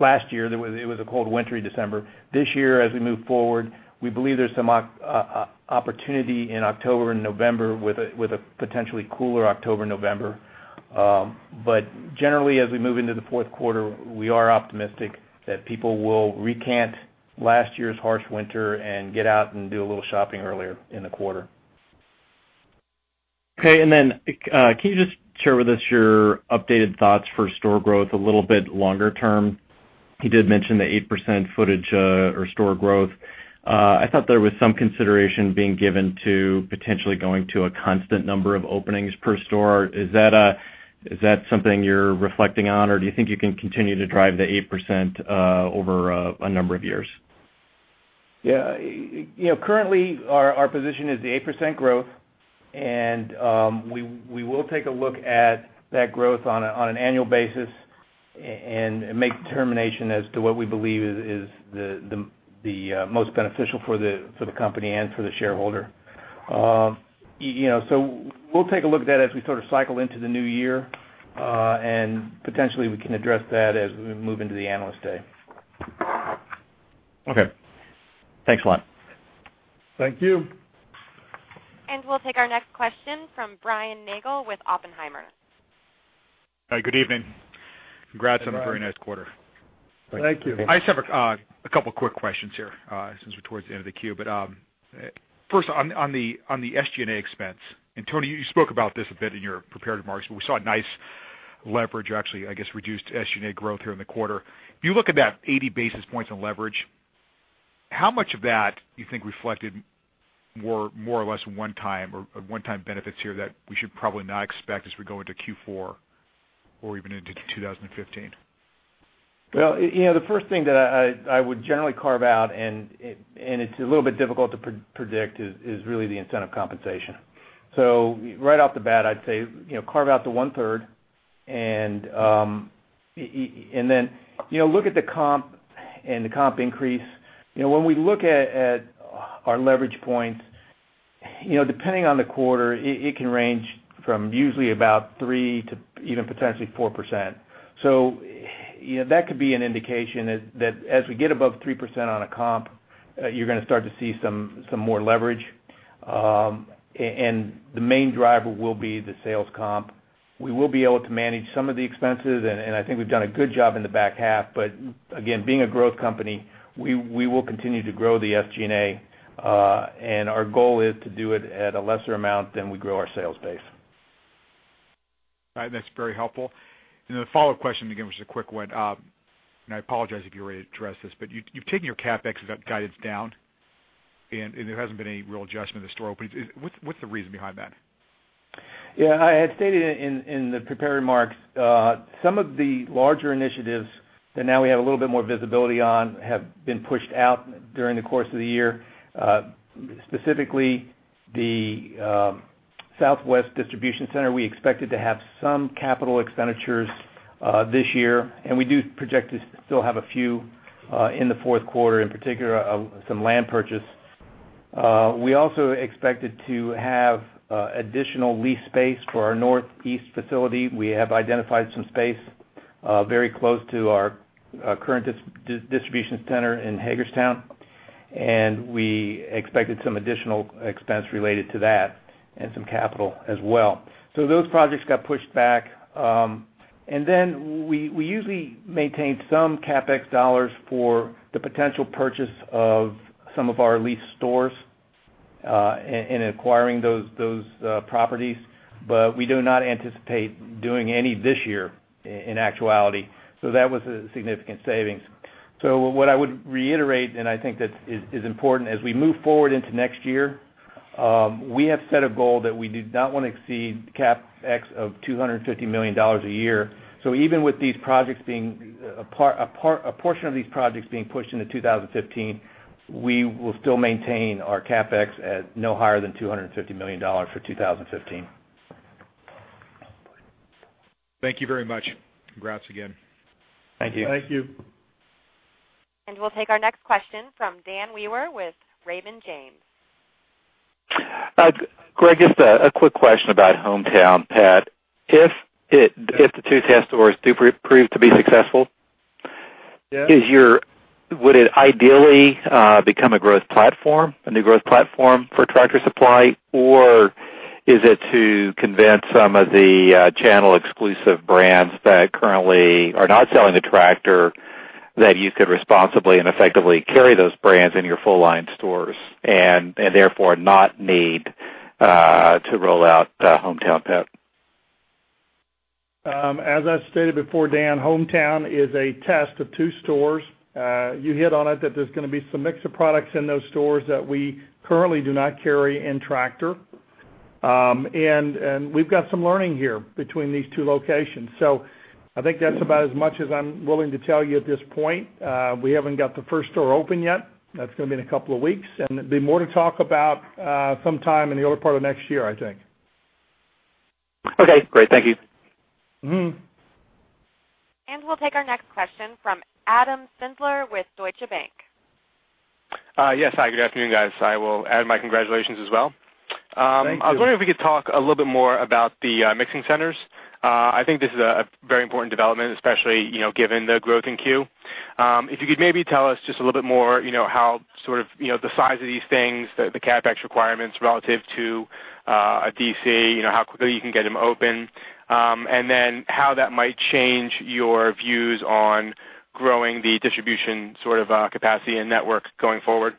last year, it was a cold, wintry December. This year, as we move forward, we believe there's some opportunity in October and November with a potentially cooler October, November. Generally, as we move into the fourth quarter, we are optimistic that people will recant last year's harsh winter and get out and do a little shopping earlier in the quarter. Okay. Then can you just share with us your updated thoughts for store growth a little bit longer term? You did mention the 8% footage or store growth. I thought there was some consideration being given to potentially going to a constant number of openings per store. Is that something you're reflecting on, or do you think you can continue to drive the 8% over a number of years? Yeah. Currently, our position is the 8% growth. We will take a look at that growth on an annual basis and make determination as to what we believe is the most beneficial for the company and for the shareholder. We'll take a look at that as we sort of cycle into the new year. Potentially we can address that as we move into the Analyst Day. Okay. Thanks a lot. Thank you. We'll take our next question from Brian Nagel with Oppenheimer. Hi, good evening. Congrats on a very nice quarter. Thank you. I just have a couple quick questions here since we're towards the end of the queue. First, on the SG&A expense, Tony, you spoke about this a bit in your prepared remarks, but we saw a nice leverage or actually, I guess, reduced SG&A growth here in the quarter. If you look at that 80 basis points on leverage, how much of that you think reflected more or less one time or one-time benefits here that we should probably not expect as we go into Q4 or even into 2015? The first thing that I would generally carve out, and it's a little bit difficult to predict, is really the incentive compensation. Right off the bat, I'd say carve out the one-third and then look at the comp and the comp increase. When we look at our leverage points, depending on the quarter, it can range from usually about 3% to even potentially 4%. That could be an indication that as we get above 3% on a comp, you're going to start to see some more leverage. The main driver will be the sales comp. We will be able to manage some of the expenses, and I think we've done a good job in the back half, but again, being a growth company, we will continue to grow the SG&A, and our goal is to do it at a lesser amount than we grow our sales base. That's very helpful. The follow-up question, again, which is a quick one, and I apologize if you already addressed this, but you've taken your CapEx guidance down, and there hasn't been any real adjustment to store openings. What's the reason behind that? Yeah, I had stated in the prepared remarks some of the larger initiatives that now we have a little bit more visibility on have been pushed out during the course of the year. Specifically, the Southwest Distribution Center, we expected to have some capital expenditures this year, and we do project to still have a few in the fourth quarter, in particular, some land purchase. We also expected to have additional lease space for our Northeast Facility. We have identified some space very close to our current distribution center in Hagerstown, and we expected some additional expense related to that and some capital as well. Those projects got pushed back. We usually maintain some CapEx dollars for the potential purchase of some of our leased stores, in acquiring those properties. We do not anticipate doing any this year in actuality. That was a significant savings. What I would reiterate, and I think that is important as we move forward into next year, we have set a goal that we do not want to exceed CapEx of $250 million a year. Even with a portion of these projects being pushed into 2015, we will still maintain our CapEx at no higher than $250 million for 2015. Thank you very much. Congrats again. Thank you. Thank you. We'll take our next question from Daniel Wewer with Raymond James. Greg, just a quick question about HomeTown Pet. If the two test stores do prove to be successful Yeah would it ideally become a new growth platform for Tractor Supply? Or is it to convince some of the channel-exclusive brands that currently are not selling to Tractor, that you could responsibly and effectively carry those brands in your full line stores and therefore not need to roll out Hometown Pet? As I stated before, Dan, Hometown is a test of two stores. You hit on it that there's gonna be some mix of products in those stores that we currently do not carry in Tractor. We've got some learning here between these two locations. I think that's about as much as I'm willing to tell you at this point. We haven't got the first store open yet. That's gonna be in a couple of weeks, and there'll be more to talk about sometime in the other part of next year, I think. Okay, great. Thank you. We'll take our next question from Adam Sindler with Deutsche Bank. Yes. Hi, good afternoon, guys. I will add my congratulations as well. Thank you. I was wondering if we could talk a little bit more about the mixing centers. I think this is a very important development, especially given the growth in C.U.E. If you could maybe tell us just a little bit more, the size of these things, the CapEx requirements relative to a DC, how quickly you can get them open. Then how that might change your views on growing the distribution capacity and network going forward.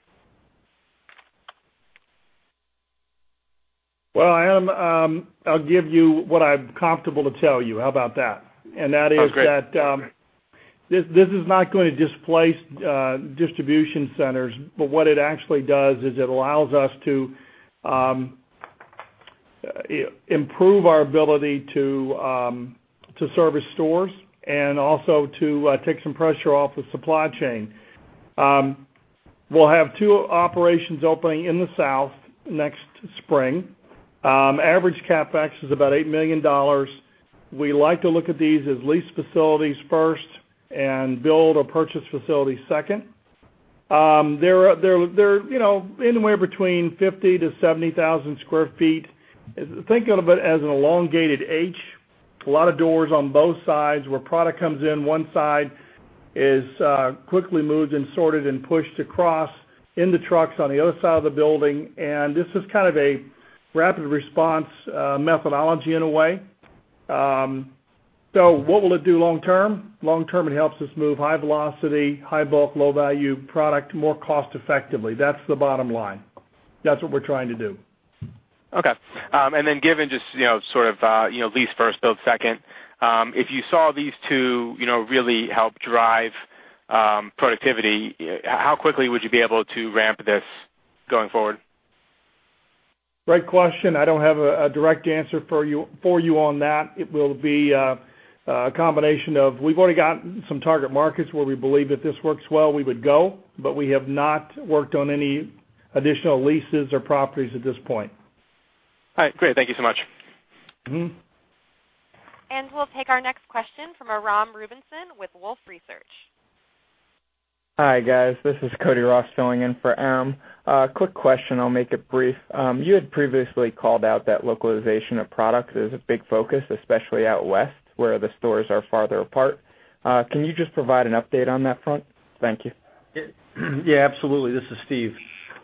Well, Adam, I'll give you what I'm comfortable to tell you. How about that? Oh, great. That is that this is not going to displace distribution centers, but what it actually does is it allows us to improve our ability to service stores and also to take some pressure off the supply chain. We'll have two operations opening in the South next spring. Average CapEx is about $8 million. We like to look at these as lease facilities first and build or purchase facilities second. They're anywhere between 50,000-70,000 sq ft. Think of it as an elongated H. A lot of doors on both sides where product comes in one side is quickly moved and sorted and pushed across into trucks on the other side of the building. This is kind of a rapid response methodology in a way. What will it do long term? Long term, it helps us move high velocity, high bulk, low-value product more cost effectively. That's the bottom line. That's what we're trying to do. Okay. Given just lease first, build second, if you saw these two really help drive productivity, how quickly would you be able to ramp this going forward? Great question. I don't have a direct answer for you on that. We've already got some target markets where we believe if this works well, we would go, but we have not worked on any additional leases or properties at this point. All right, great. Thank you so much. We'll take our next question from Aram Rubinson with Wolfe Research. Hi, guys. This is Cody Ross filling in for Aram. A quick question, I'll make it brief. You had previously called out that localization of products is a big focus, especially out West, where the stores are farther apart. Can you just provide an update on that front? Thank you. Yeah, absolutely. This is Steve.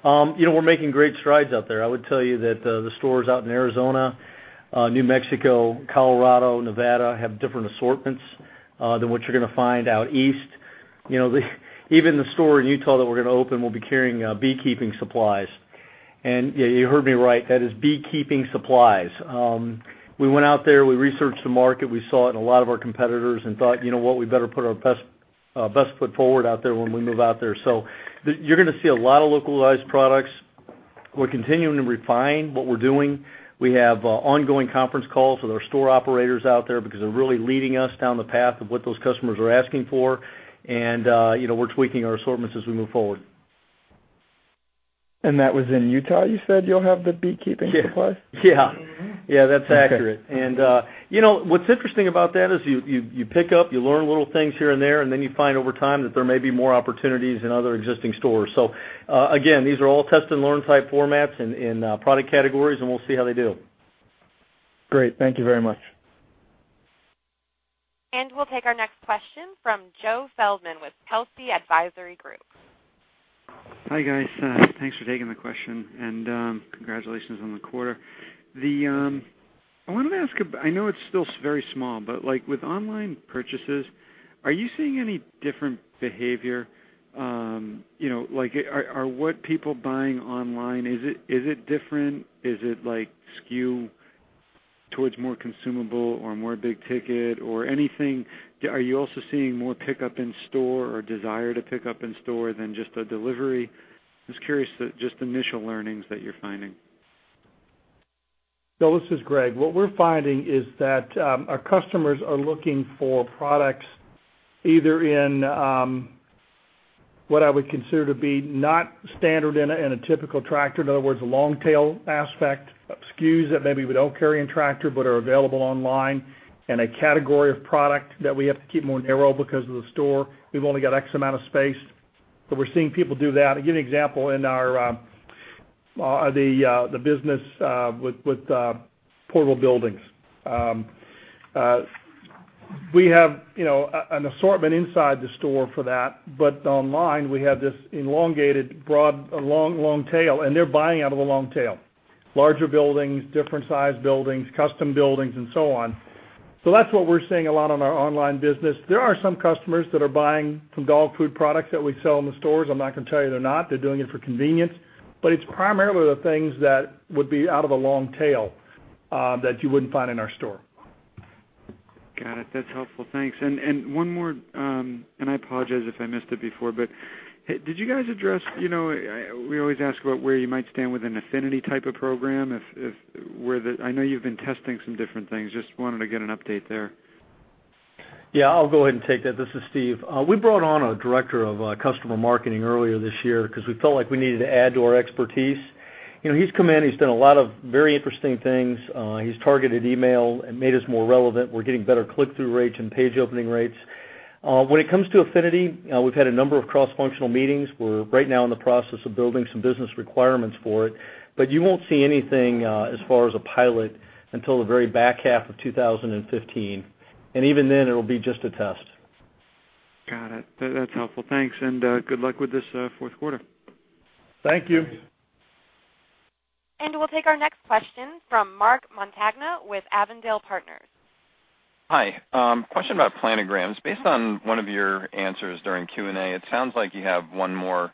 We're making great strides out there. I would tell you that the stores out in Arizona, New Mexico, Colorado, Nevada have different assortments than what you're gonna find out East. Even the store in Utah that we're gonna open will be carrying beekeeping supplies. Yeah, you heard me right. That is beekeeping supplies. We went out there, we researched the market, we saw it in a lot of our competitors and thought, "You know what? We better put our best foot forward out there when we move out there." You're going to see a lot of localized products. We're continuing to refine what we're doing. We have ongoing conference calls with our store operators out there because they're really leading us down the path of what those customers are asking for. We're tweaking our assortments as we move forward. That was in Utah, you said you'll have the beekeeping supply? Yeah. That's accurate. Okay. What's interesting about that is you pick up, you learn little things here and there, then you find over time that there may be more opportunities in other existing stores. Again, these are all test and learn type formats and product categories, and we'll see how they do. Great. Thank you very much. We'll take our next question from Joe Feldman with Telsey Advisory Group. Hi, guys. Thanks for taking the question and congratulations on the quarter. I wanted to ask, I know it's still very small, but, like, with online purchases, are you seeing any different behavior? Like, are what people buying online, is it different? Is it, like, skew towards more consumable or more big ticket or anything? Are you also seeing more pickup in store or desire to pick up in store than just a delivery? Just curious, just initial learnings that you're finding. This is Greg. What we're finding is that our customers are looking for products either in what I would consider to be not standard in a typical Tractor, in other words, a long tail aspect of SKUs that maybe we don't carry in Tractor but are available online, and a category of product that we have to keep more narrow because of the store. We've only got X amount of space. We're seeing people do that. I'll give you an example in the business with portable buildings. We have an assortment inside the store for that, but online, we have this elongated, broad, long tail, and they're buying out of the long tail, larger buildings, different sized buildings, custom buildings and so on. That's what we're seeing a lot on our online business. There are some customers that are buying some dog food products that we sell in the stores. I'm not going to tell you they're not. They're doing it for convenience. It's primarily the things that would be out of a long tail that you wouldn't find in our store. Got it. That's helpful. Thanks. One more, and I apologize if I missed it before. Did you guys address? We always ask about where you might stand with an affinity type of program. I know you've been testing some different things. Just wanted to get an update there. Yeah, I'll go ahead and take that. This is Steve Barbarick. We brought on a director of customer marketing earlier this year because we felt like we needed to add to our expertise. He's come in, he's done a lot of very interesting things. He's targeted email and made us more relevant. We're getting better click-through rates and page opening rates. When it comes to affinity, we've had a number of cross-functional meetings. We're right now in the process of building some business requirements for it. You won't see anything as far as a pilot until the very back half of 2015, and even then it'll be just a test. Got it. That's helpful. Thanks, and good luck with this fourth quarter. Thank you. We'll take our next question from Mark Montagna with Avondale Partners. Hi. Question about planograms. Based on one of your answers during Q&A, it sounds like you have one more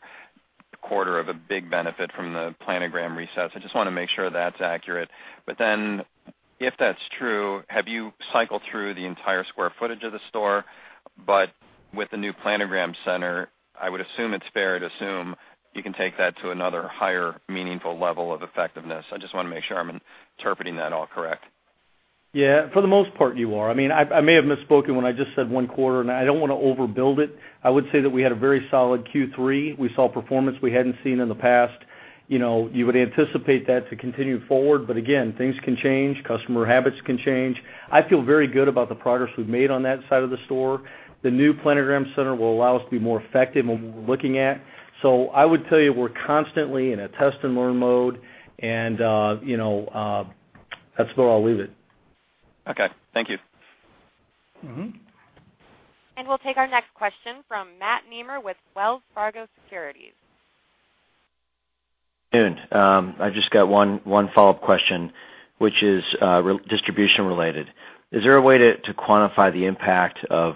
quarter of a big benefit from the planogram resets. I just want to make sure that's accurate. If that's true, have you cycled through the entire square footage of the store, but with the new planogram center, I would assume it's fair to assume you can take that to another higher meaningful level of effectiveness. I just want to make sure I'm interpreting that all correct. Yeah, for the most part, you are. I may have misspoken when I just said one quarter, and I don't want to overbuild it. I would say that we had a very solid Q3. We saw performance we hadn't seen in the past. You would anticipate that to continue forward, but again, things can change, customer habits can change. I feel very good about the progress we've made on that side of the store. The new planogram center will allow us to be more effective in what we're looking at. I would tell you we're constantly in a test and learn mode, and that's where I'll leave it. Okay. Thank you. We'll take our next question from Matt Nemer with Wells Fargo Securities. Good afternoon. I've just got one follow-up question, which is distribution related. Is there a way to quantify the impact of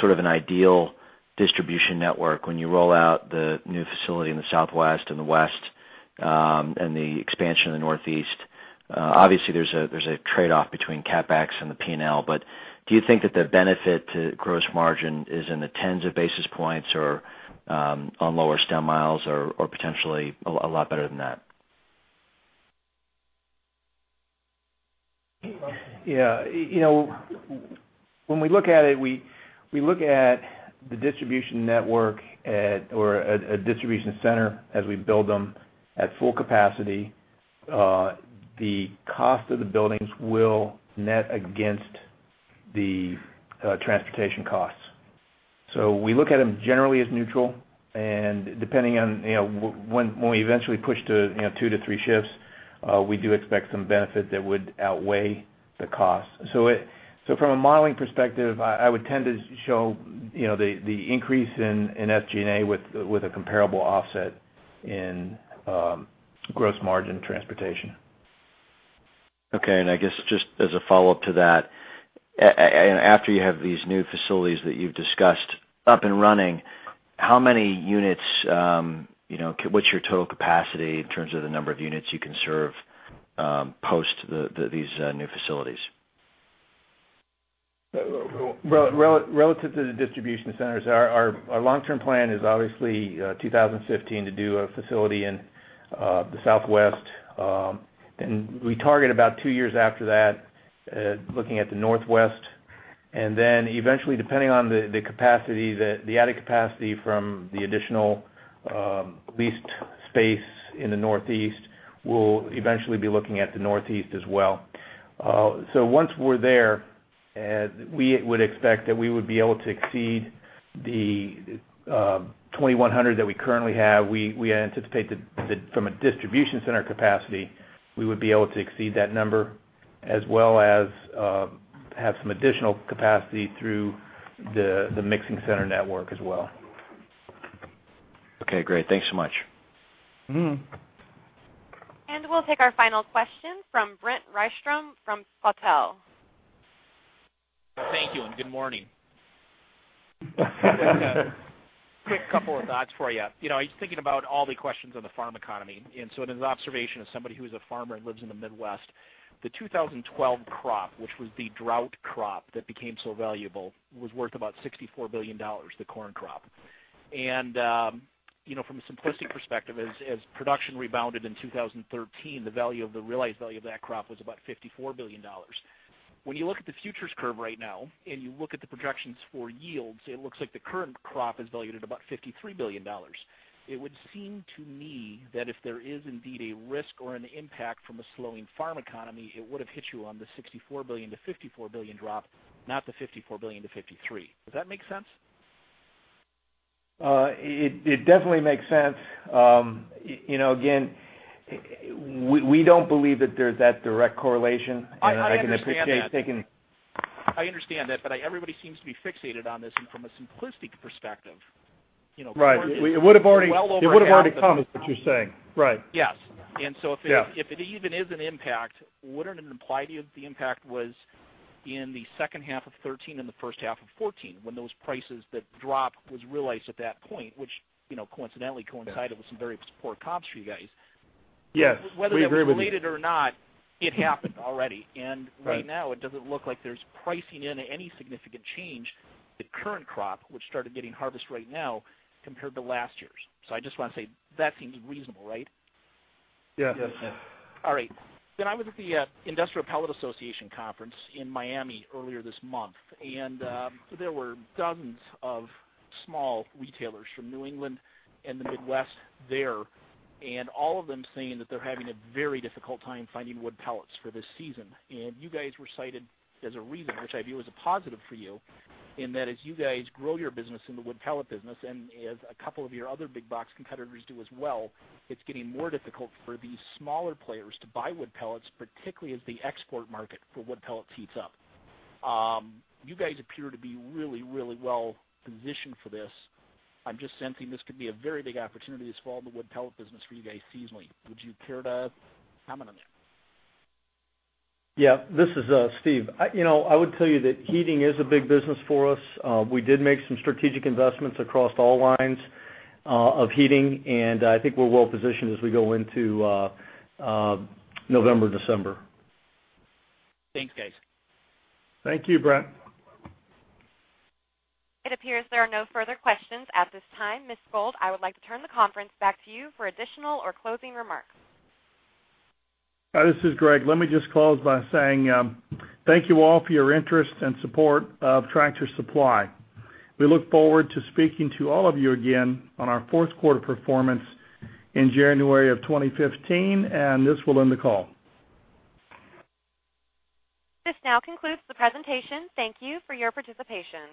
sort of an ideal distribution network when you roll out the new facility in the Southwest and the West, and the expansion in the Northeast? Obviously, there's a trade-off between CapEx and the P&L, but do you think that the benefit to gross margin is in the tens of basis points or on lower stem miles or potentially a lot better than that? Yeah. When we look at it, we look at the distribution network or a distribution center as we build them at full capacity. The cost of the buildings will net against the transportation costs. We look at them generally as neutral, depending on when we eventually push to two to three shifts, we do expect some benefit that would outweigh the cost. From a modeling perspective, I would tend to show the increase in SG&A with a comparable offset in gross margin transportation. Okay, I guess just as a follow-up to that, after you have these new facilities that you've discussed up and running, what's your total capacity in terms of the number of units you can serve, post these new facilities? Relative to the distribution centers, our long-term plan is obviously 2015 to do a facility in the Southwest. We target about two years after that, looking at the Northwest. Then eventually, depending on the added capacity from the additional leased space in the Northeast, we'll eventually be looking at the Northeast as well. Once we're there, we would expect that we would be able to exceed the 2,100 that we currently have. We anticipate that from a distribution center capacity, we would be able to exceed that number as well as have some additional capacity through the mixing center network as well. Okay, great. Thanks so much. We'll take our final question from Brent Rystrom from Feltl & Company. Thank you, and good morning. Quick couple of thoughts for you. I was thinking about all the questions on the farm economy. As an observation of somebody who is a farmer and lives in the Midwest, the 2012 crop, which was the drought crop that became so valuable, was worth about $64 billion, the corn crop. From a simplistic perspective, as production rebounded in 2013, the realized value of that crop was about $54 billion. When you look at the futures curve right now, and you look at the projections for yields, it looks like the current crop is valued at about $53 billion. It would seem to me that if there is indeed a risk or an impact from a slowing farm economy, it would've hit you on the $64 billion-$54 billion drop, not the $54 billion-$53 billion. Does that make sense? It definitely makes sense. Again, we don't believe that there's that direct correlation. I understand that. I can appreciate. I understand that, but everybody seems to be fixated on this from a simplistic perspective. Right. It would've already come, is what you're saying. Right. Yes. Yeah. If it even is an impact, wouldn't it imply the impact was in the second half of 2013 and the first half of 2014, when those prices that dropped was realized at that point, which coincidentally coincided with some very poor comps for you guys? Yes. We agree with you. Whether related or not, it happened already. Right. Right now, it doesn't look like there's pricing in any significant change. The current crop, which started getting harvested right now, compared to last year's. I just want to say that seems reasonable, right? Yes. All right. I was at the Pellet Fuels Institute Conference in Miami earlier this month. There were dozens of small retailers from New England and the Midwest there, and all of them saying that they're having a very difficult time finding wood pellets for this season. You guys were cited as a reason, which I view as a positive for you, in that as you guys grow your business in the wood pellet business, and as a couple of your other big box competitors do as well, it's getting more difficult for these smaller players to buy wood pellets, particularly as the export market for wood pellets heats up. You guys appear to be really well-positioned for this. I'm just sensing this could be a very big opportunity this fall in the wood pellet business for you guys seasonally. Would you care to comment on that? Yeah. This is Steve. I would tell you that heating is a big business for us. We did make some strategic investments across all lines of heating, and I think we're well-positioned as we go into November, December. Thanks, guys. Thank you, Brent. It appears there are no further questions at this time. Ms. Skold, I would like to turn the conference back to you for additional or closing remarks. This is Greg. Let me just close by saying thank you all for your interest and support of Tractor Supply. We look forward to speaking to all of you again on our fourth quarter performance in January of 2015, and this will end the call. This now concludes the presentation. Thank you for your participation.